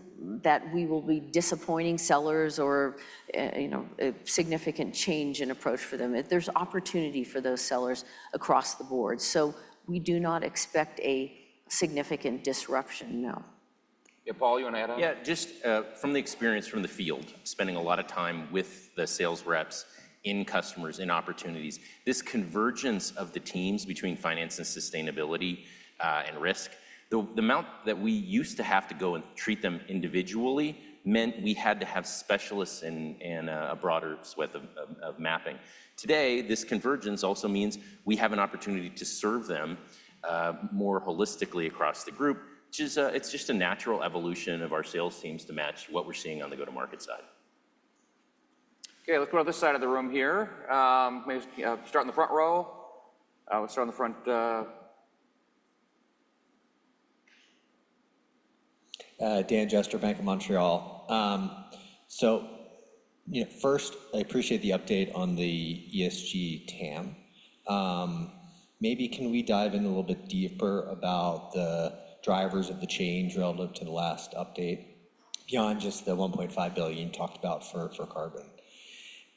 Speaker 3: that we will be disappointing sellers or, you know, a significant change in approach for them. There's opportunity for those sellers across the board, so we do not expect a significant disruption, no.
Speaker 2: Yeah, Paul, you want to add on?
Speaker 4: Yeah, just from the experience from the field, spending a lot of time with the sales reps in customers, in opportunities, this convergence of the teams between finance and sustainability, and risk, the amount that we used to have to go and treat them individually meant we had to have specialists in a broader swathe of mapping. Today, this convergence also means we have an opportunity to serve them more holistically across the group, which is, it's just a natural evolution of our sales teams to match what we're seeing on the go-to-market side.
Speaker 2: Okay, let's go to this side of the room here. Maybe start in the front row. Let's start in the front.
Speaker 8: Dan Jester, Bank of Montreal. So, you know, first, I appreciate the update on the ESG TAM. Maybe can we dive in a little bit deeper about the drivers of the change relative to the last update, beyond just the $1.5 billion you talked about for carbon?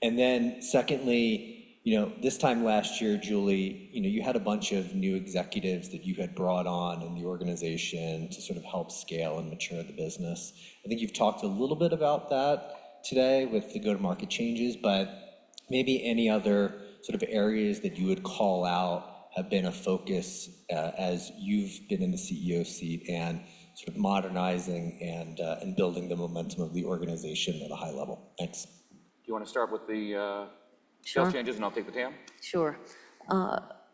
Speaker 8: And then secondly, you know, this time last year, Julie, you know, you had a bunch of new executives that you had brought on in the organization to sort of help scale and mature the business. I think you've talked a little bit about that today with the go-to-market changes, but maybe any other sort of areas that you would call out have been a focus, as you've been in the CEO seat and sort of modernizing and building the momentum of the organization at a high level. Thanks.
Speaker 2: Do you wanna start with the,
Speaker 3: Sure...
Speaker 2: sales changes, and I'll take the TAM?
Speaker 3: Sure.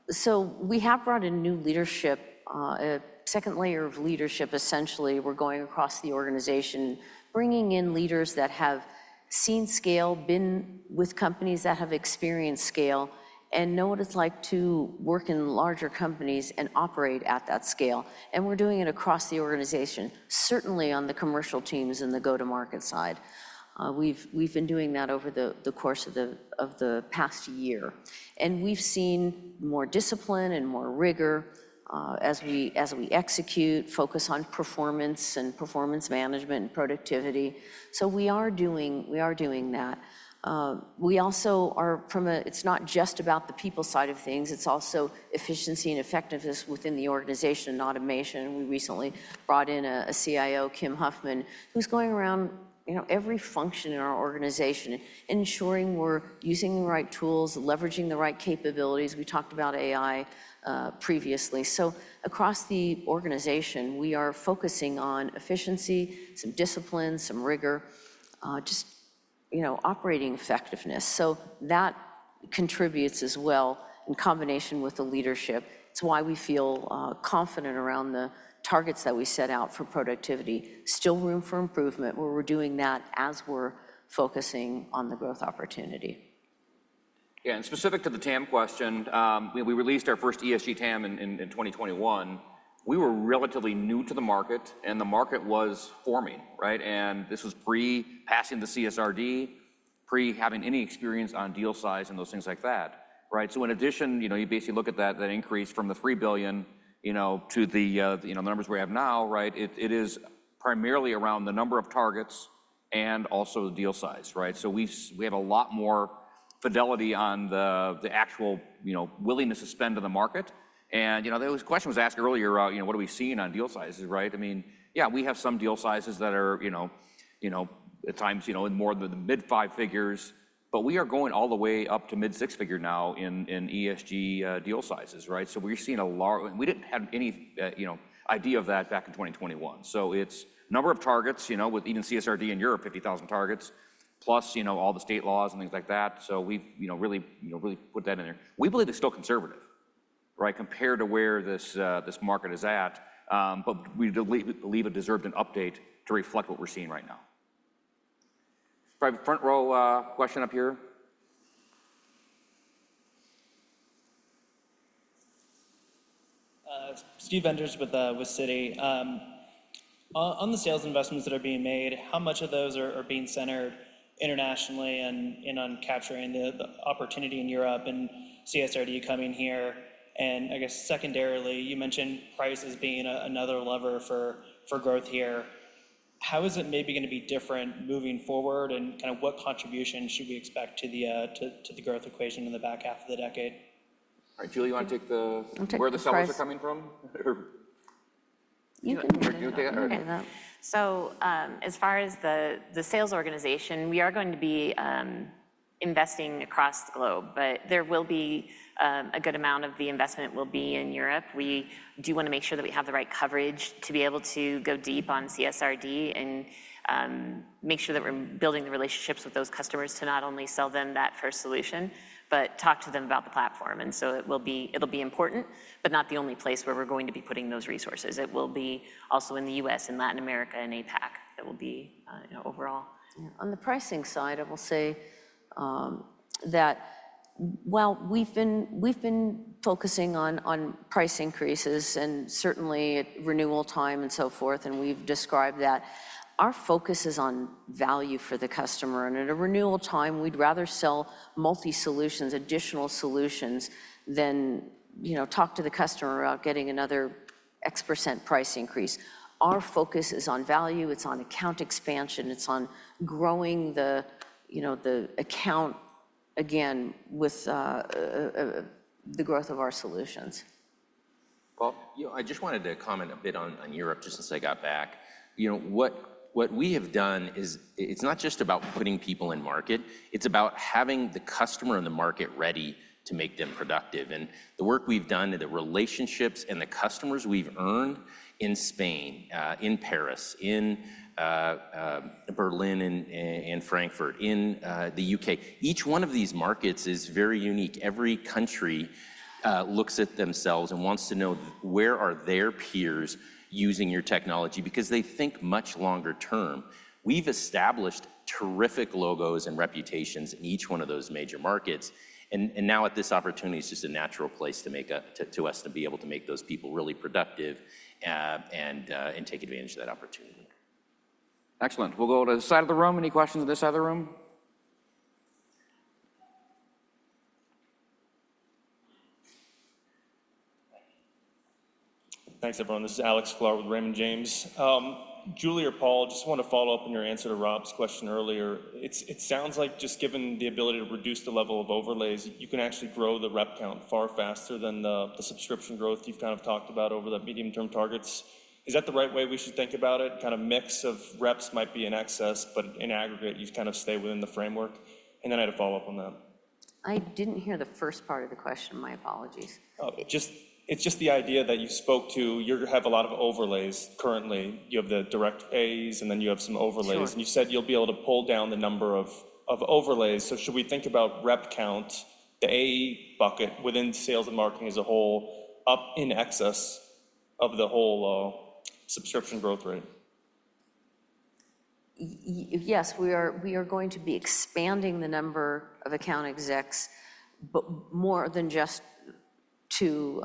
Speaker 3: So we have brought in new leadership, a second layer of leadership, essentially. We're going across the organization, bringing in leaders that have seen scale, been with companies that have experienced scale, and know what it's like to work in larger companies and operate at that scale, and we're doing it across the organization, certainly on the commercial teams in the go-to-market side. We've been doing that over the course of the past year, and we've seen more discipline and more rigor as we execute, focus on performance and performance management and productivity. We are doing that. We also are. It's not just about the people side of things. It's also efficiency and effectiveness within the organization and automation. We recently brought in a CIO, Kim Huffman, who's going around, you know, every function in our organization, ensuring we're using the right tools, leveraging the right capabilities. We talked about AI previously. So across the organization, we are focusing on efficiency, some discipline, some rigor, you know, operating effectiveness. So that contributes as well in combination with the leadership. It's why we feel confident around the targets that we set out for productivity. Still room for improvement, where we're doing that as we're focusing on the growth opportunity.
Speaker 2: Yeah, and specific to the TAM question, we released our first ESG TAM in 2021. We were relatively new to the market, and the market was forming, right? And this was pre passing the CSRD, pre having any experience on deal size and those things like that, right? So in addition, you know, you basically look at that increase from the $3 billion, you know, to the numbers we have now, right? It is primarily around the number of targets and also the deal size, right? So we have a lot more fidelity on the actual, you know, willingness to spend in the market. And, you know, the question was asked earlier, what are we seeing on deal sizes, right? I mean, yeah, we have some deal sizes that are, you know, at times, you know, in more than the mid-five figures, but we are going all the way up to mid-six figure now in ESG deal sizes, right? So we're seeing a large number of targets. We didn't have any idea of that back in 2021. So it's number of targets, you know, with even CSRD in Europe, 50,000 targets, plus, you know, all the state laws and things like that. So we've really put that in there. We believe it's still conservative, right, compared to where this market is at. But we believe it deserved an update to reflect what we're seeing right now. Right, front row, question up here.
Speaker 9: Steve Enders with Citi. On the sales investments that are being made, how much of those are being centered internationally and on capturing the opportunity in Europe and CSRD coming here? I guess secondarily, you mentioned price as being another lever for growth here. How is it maybe gonna be different moving forward, and kind of what contribution should we expect to the growth equation in the back half of the decade?
Speaker 2: All right, Julie, you wanna take the-
Speaker 3: I'll take the price....
Speaker 2: where the sellers are coming from? Or you, do you have or-
Speaker 5: As far as the sales organization, we are going to be investing across the globe, but a good amount of the investment will be in Europe. We do wanna make sure that we have the right coverage to be able to go deep on CSRD and make sure that we're building the relationships with those customers to not only sell them that first solution, but talk to them about the platform. It'll be important, but not the only place where we're going to be putting those resources. It will also be in the U.S. and Latin America and APAC, you know, overall. On the pricing side, I will say that while we've been focusing on price increases and certainly at renewal time and so forth, and we've described that, our focus is on value for the customer, and at a renewal time, we'd rather sell multi-solutions, additional solutions, than you know, talk to the customer about getting another X% price increase. Our focus is on value, it's on account expansion, it's on growing the, you know, the account again with the growth of our solutions.
Speaker 4: You know, I just wanted to comment a bit on Europe just since I got back. You know, what we have done is it's not just about putting people in market, it's about having the customer in the market ready to make them productive. The work we've done, and the relationships and the customers we've earned in Spain, in Paris, in Berlin, and Frankfurt, in the U.K., each one of these markets is very unique. Every country looks at themselves and wants to know where are their peers using your technology because they think much longer term. We've established terrific logos and reputations in each one of those major markets, and now at this opportunity, it's just a natural place for us to be able to make those people really productive, and take advantage of that opportunity.
Speaker 2: Excellent. We'll go to the side of the room. Any questions in this other room?
Speaker 10: Thanks, everyone. This is Alex Sklar with Raymond James. Julie or Paul, just want to follow up on your answer to Rob's question earlier. It sounds like just given the ability to reduce the level of overlays, you can actually grow the rep count far faster than the subscription growth you've kind of talked about over the medium-term targets. Is that the right way we should think about it? Kind of mix of reps might be in excess, but in aggregate, you kind of stay within the framework. And then I had a follow-up on that.
Speaker 3: I didn't hear the first part of the question. My apologies.
Speaker 10: It's just the idea that you spoke to. You have a lot of overlays currently. You have the direct AEs, and then you have some overlays.
Speaker 3: Sure.
Speaker 10: And you said you'll be able to pull down the number of overlays. So should we think about rep count, the AE bucket within sales and marketing as a whole, up in excess of the whole subscription growth rate?
Speaker 3: Yes, we are going to be expanding the number of account execs, but more than just to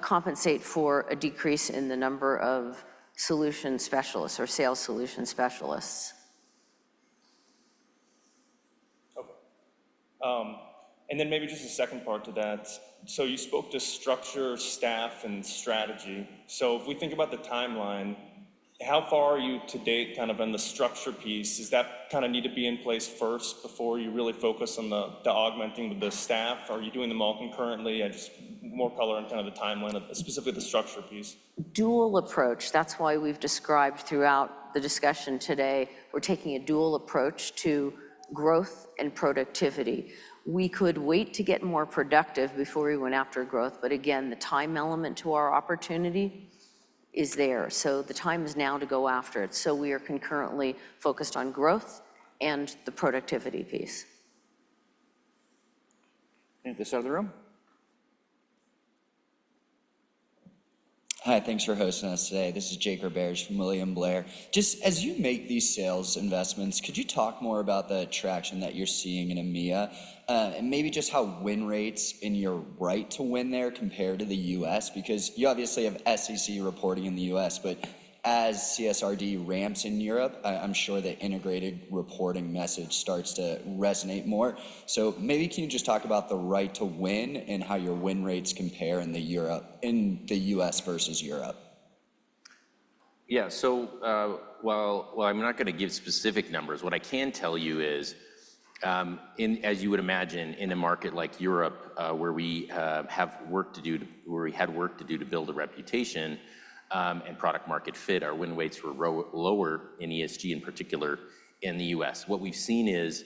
Speaker 3: compensate for a decrease in the number of solution specialists or sales solution specialists.
Speaker 10: Okay. And then maybe just a second part to that. So you spoke to structure, staff, and strategy. So if we think about the timeline, how far are you to date kind of on the structure piece? Does that kinda need to be in place first before you really focus on the augmenting the staff, or are you doing them all concurrently? I just... More color on kind of the timeline, specifically the structure piece.
Speaker 3: Dual approach. That's why we've described throughout the discussion today, we're taking a dual approach to growth and productivity. We could wait to get more productive before we went after growth, but again, the time element to our opportunity is there, so the time is now to go after it. So we are concurrently focused on growth and the productivity piece.
Speaker 4: In this other room?
Speaker 11: Hi, thanks for hosting us today. This is Jake Roberge from William Blair. Just as you make these sales investments, could you talk more about the traction that you're seeing in EMEA? And maybe just how win rates and your right to win there compare to the U.S., because you obviously have SEC reporting in the U.S., but as CSRD ramps in Europe, I, I'm sure the integrated reporting message starts to resonate more. So maybe can you just talk about the right to win and how your win rates compare in Europe, in the U.S. versus Europe?
Speaker 4: Yeah. So, while I'm not gonna give specific numbers, what I can tell you is, as you would imagine, in a market like Europe, where we had work to do to build a reputation, and product market fit, our win rates were lower in ESG, in particular, in the U.S. What we've seen is,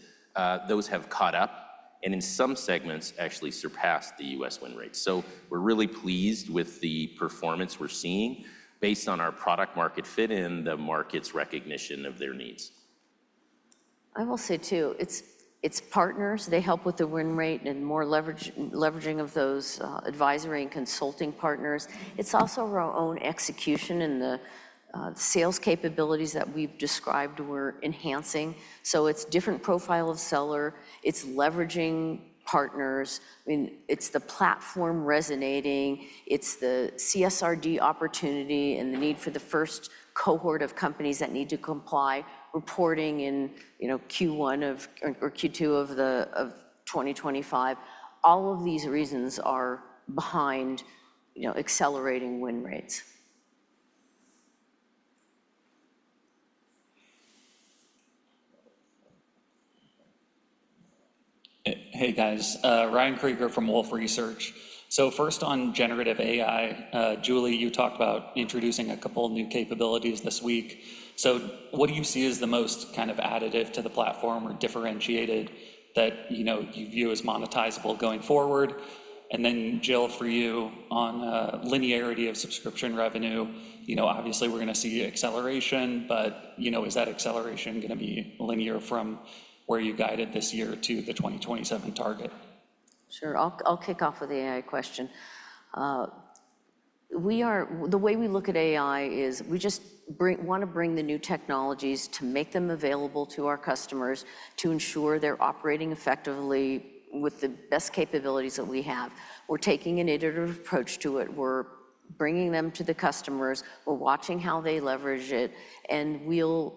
Speaker 4: those have caught up, and in some segments actually surpassed the U.S. win rates. So we're really pleased with the performance we're seeing based on our product market fit and the market's recognition of their needs.
Speaker 3: I will say, too, it's partners. They help with the win rate and more leverage, leveraging of those advisory and consulting partners. It's also our own execution and the sales capabilities that we've described we're enhancing. So it's different profile of seller, it's leveraging partners, and it's the platform resonating, it's the CSRD opportunity and the need for the first cohort of companies that need to comply, reporting in, you know, Q1 or Q2 of 2025. All of these reasons are behind, you know, accelerating win rates.
Speaker 12: Hey, guys, Ryan Krieger from Wolfe Research. So first, on generative AI, Julie, you talked about introducing a couple new capabilities this week. So what do you see as the most kind of additive to the platform or differentiated that, you know, you view as monetizable going forward? And then, Jill, for you, on linearity of subscription revenue, you know, obviously, we're gonna see acceleration, but, you know, is that acceleration gonna be linear from where you guided this year to the 2027 target?
Speaker 3: Sure. I'll kick off with the AI question. The way we look at AI is we just wanna bring the new technologies to make them available to our customers to ensure they're operating effectively with the best capabilities that we have. We're taking an iterative approach to it. We're bringing them to the customers, we're watching how they leverage it, and we'll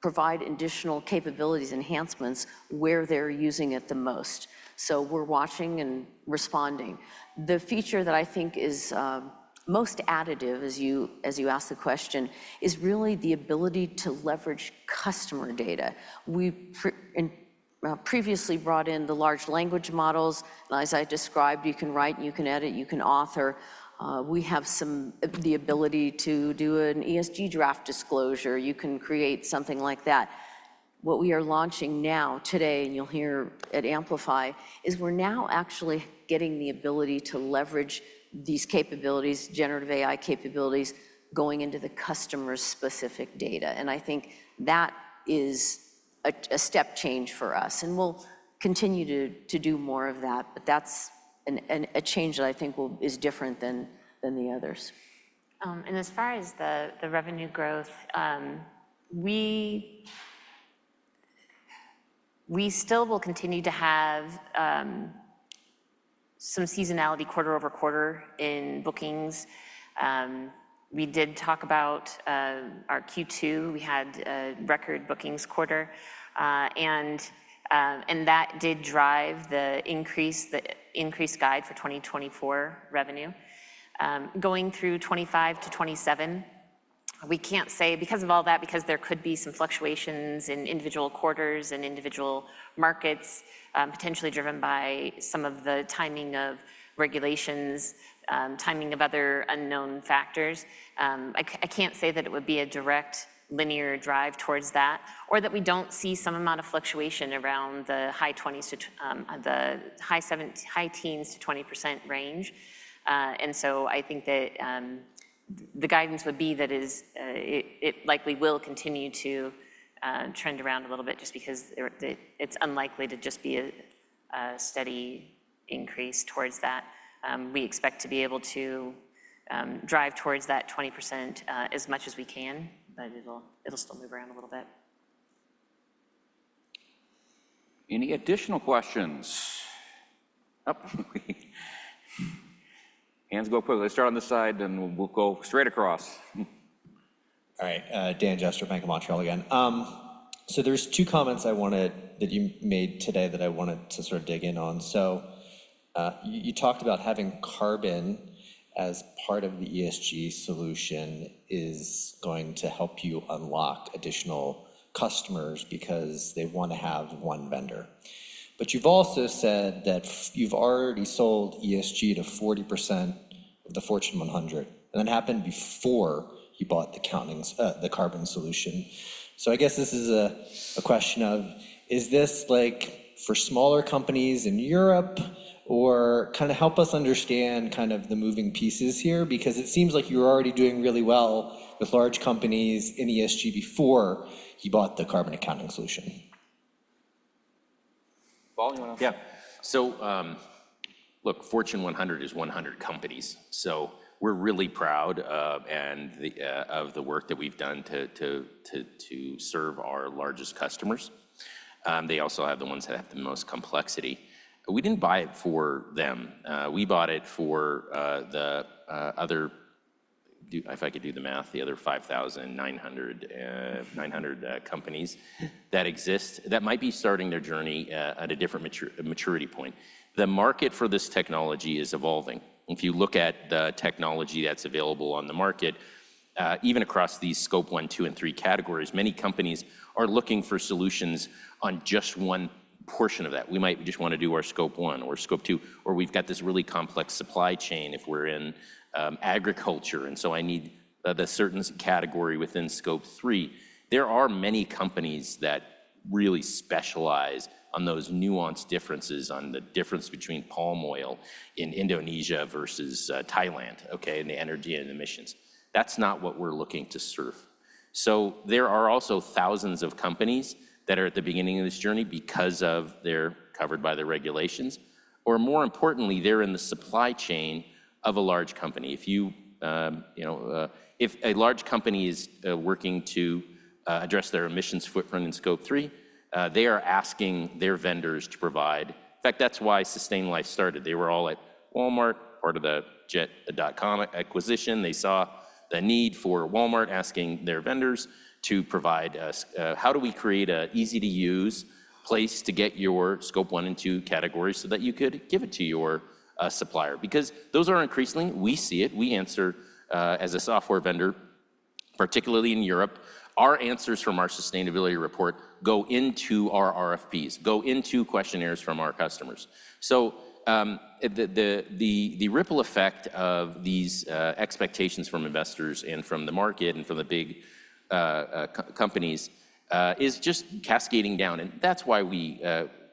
Speaker 3: provide additional capabilities, enhancements, where they're using it the most. So we're watching and responding. The feature that I think is most additive, as you ask the question, is really the ability to leverage customer data. We and previously brought in the large language models. As I described, you can write, you can edit, you can author. We have the ability to do an ESG draft disclosure. You can create something like that. What we are launching now, today, and you'll hear at Amplify, is we're now actually getting the ability to leverage these capabilities, generative AI capabilities, going into the customer's specific data, and I think that is a step change for us, and we'll continue to do more of that. But that's a change that I think is different than the others.
Speaker 5: And as far as the revenue growth, we still will continue to have some seasonality quarter over quarter in bookings. We did talk about our Q2. We had a record bookings quarter, and that did drive the increase, the increased guide for 2024 revenue. Going through 2025-2027, we can't say because of all that, because there could be some fluctuations in individual quarters and individual markets, potentially driven by some of the timing of regulations, timing of other unknown factors. I can't say that it would be a direct linear drive towards that, or that we don't see some amount of fluctuation around the high 20s to the high teens to 20% range. And so I think that the guidance would be that it likely will continue to trend around a little bit just because it's unlikely to just be a steady increase towards that. We expect to be able to drive towards that 20% as much as we can, but it'll still move around a little bit.
Speaker 4: Any additional questions? Oh, hands go quickly. Let's start on this side, and we'll go straight across.
Speaker 8: All right. Dan Jester, Bank of Montreal again. So there's two comments that you made today that I wanted to sort of dig in on. So you talked about having carbon as part of the ESG solution is going to help you unlock additional customers because they wanna have one vendor. But you've also said that you've already sold ESG to 40% of the Fortune 100, and that happened before you bought the Sustain, the carbon solution. So I guess this is a question of: Is this like for smaller companies in Europe? Or kind of help us understand kind of the moving pieces here? Because it seems like you're already doing really well with large companies in ESG before you bought the carbon accounting solution.
Speaker 2: Paul, you want to.
Speaker 4: Yeah. So, look, Fortune 100 is 100 companies. So we're really proud of and the of the work that we've done to serve our largest customers. They also have the ones that have the most complexity. But we didn't buy it for them. We bought it for the other. If I could do the math, the other 5,900 companies that exist, that might be starting their journey at a different maturity point. The market for this technology is evolving. If you look at the technology that's available on the market, even across these Scope 1, 2, and 3 categories, many companies are looking for solutions on just one portion of that. We might just want to do our Scope 1 or Scope 2, or we've got this really complex supply chain if we're in agriculture, and so I need the certain category within Scope 3. There are many companies that really specialize on those nuanced differences, on the difference between palm oil in Indonesia versus Thailand, okay, and the energy and emissions. That's not what we're looking to serve. So there are also thousands of companies that are at the beginning of this journey because of they're covered by the regulations, or more importantly, they're in the supply chain of a large company. If you know, if a large company is working to address their emissions footprint in Scope 3, they are asking their vendors to provide. In fact, that's why Sustain.Life started. They were all at Walmart, part of the Jet.com acquisition. They saw the need for Walmart asking their vendors to provide, how do we create a easy-to-use place to get your Scope 1 and 2 categories so that you could give it to your, supplier? Because those are increasingly, we see it, we answer, as a software vendor, particularly in Europe, our answers from our sustainability report go into our RFPs, go into questionnaires from our customers. So, the ripple effect of these, expectations from investors and from the market and from the big, companies, is just cascading down, and that's why we,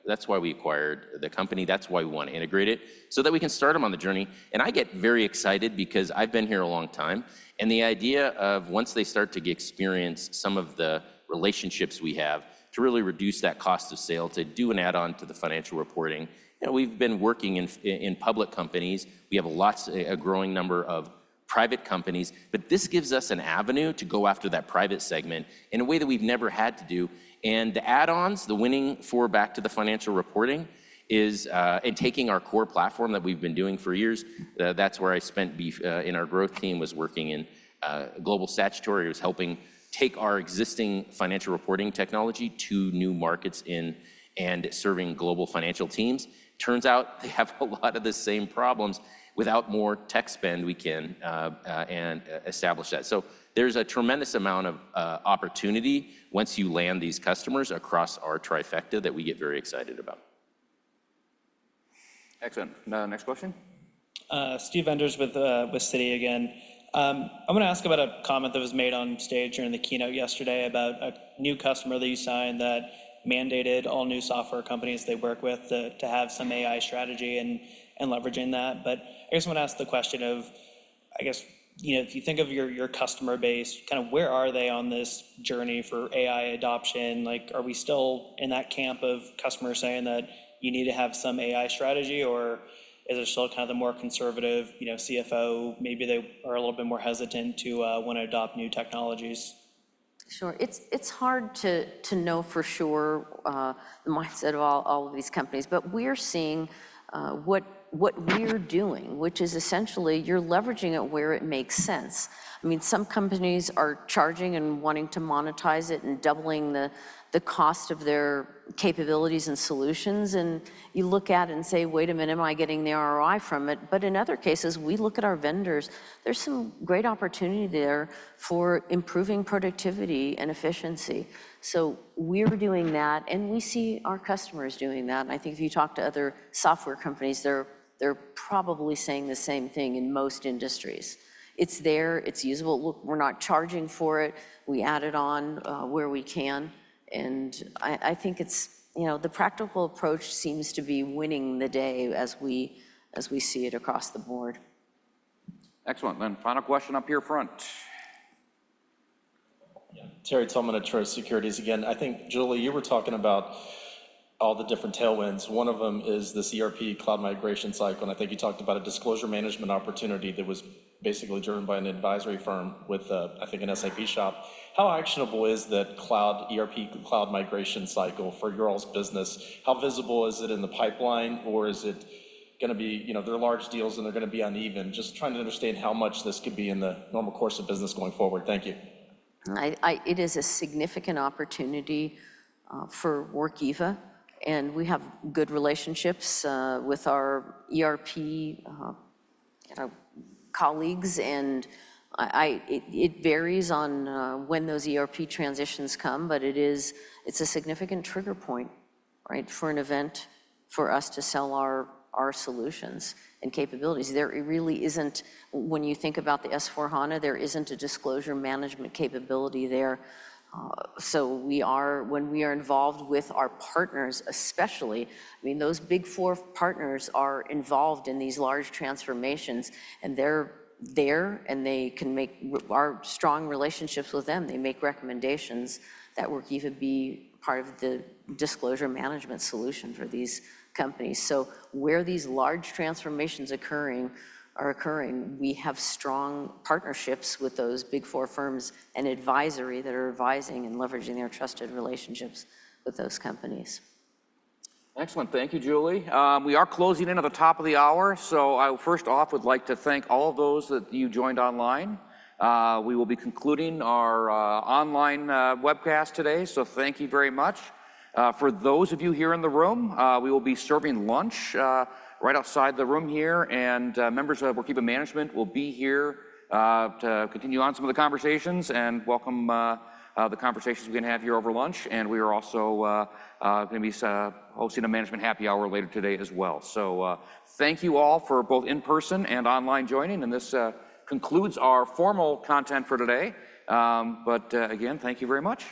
Speaker 4: that's why we acquired the company. That's why we want to integrate it, so that we can start them on the journey. I get very excited because I've been here a long time, and the idea of once they start to experience some of the relationships we have, to really reduce that cost of sale, to do an add-on to the financial reporting, you know, we've been working in public companies. We have lots, a growing number of private companies, but this gives us an avenue to go after that private segment in a way that we've never had to do. The add-ons, the winning for back to the financial reporting, is, and taking our core platform that we've been doing for years, that's where I spent in our growth team, was working in global statutory. It was helping take our existing financial reporting technology to new markets and serving global financial teams. Turns out they have a lot of the same problems. Without more tech spend, we can establish that. So there's a tremendous amount of opportunity once you land these customers across our trifecta that we get very excited about.
Speaker 2: Excellent. Now, next question.
Speaker 9: Steve Enders with Citi again. I'm gonna ask about a comment that was made on stage during the keynote yesterday about a new customer that you signed that mandated all new software companies they work with to have some AI strategy and leveraging that. But I just want to ask the question of, I guess, you know, if you think of your customer base, kind of where are they on this journey for AI adoption? Like, are we still in that camp of customers saying that you need to have some AI strategy, or is it still kind of the more conservative, you know, CFO, maybe they are a little bit more hesitant to want to adopt new technologies?
Speaker 3: Sure. It's hard to know for sure the mindset of all of these companies. But we're seeing what we're doing, which is essentially you're leveraging it where it makes sense. I mean, some companies are charging and wanting to monetize it and doubling the cost of their capabilities and solutions, and you look at it and say, "Wait a minute, am I getting the ROI from it?" But in other cases, we look at our vendors. There's some great opportunity there for improving productivity and efficiency. So we're doing that, and we see our customers doing that. I think if you talk to other software companies, they're probably saying the same thing in most industries. It's there. It's usable. Look, we're not charging for it. We add it on where we can, and I think it's, you know, the practical approach seems to be winning the day as we see it across the board.
Speaker 2: Excellent. Then final question up here front.
Speaker 6: Yeah. Terry Tillman at Truist Securities again. I think, Julie, you were talking about all the different tailwinds. One of them is this ERP cloud migration cycle, and I think you talked about a disclosure management opportunity that was basically driven by an advisory firm with, I think, an SAP shop. How actionable is that cloud ERP, cloud migration cycle for your all's business? How visible is it in the pipeline, or is it gonna be... You know, they're large deals, and they're gonna be uneven. Just trying to understand how much this could be in the normal course of business going forward. Thank you.
Speaker 3: It is a significant opportunity for Workiva, and we have good relationships with our ERP colleagues. It varies on when those ERP transitions come, but it is a significant trigger point, right? For an event for us to sell our solutions and capabilities. There really isn't, when you think about the S/4HANA, there isn't a disclosure management capability there. So we are, when we are involved with our partners, especially. I mean, those Big Four partners are involved in these large transformations, and they're there, and they can make our strong relationships with them. They make recommendations that Workiva be part of the disclosure management solution for these companies. Where these large transformations are occurring, we have strong partnerships with those Big Four firms and advisory that are advising and leveraging their trusted relationships with those companies.
Speaker 2: Excellent. Thank you, Julie. We are closing in at the top of the hour, so I first off would like to thank all those that you joined online. We will be concluding our online webcast today, so thank you very much. For those of you here in the room, we will be serving lunch right outside the room here, and members of Workiva management will be here to continue on some of the conversations and welcome the conversations we're gonna have here over lunch, and we are also gonna be hosting a management happy hour later today as well. Thank you all for both in-person and online joining, and this concludes our formal content for today, but again, thank you very much.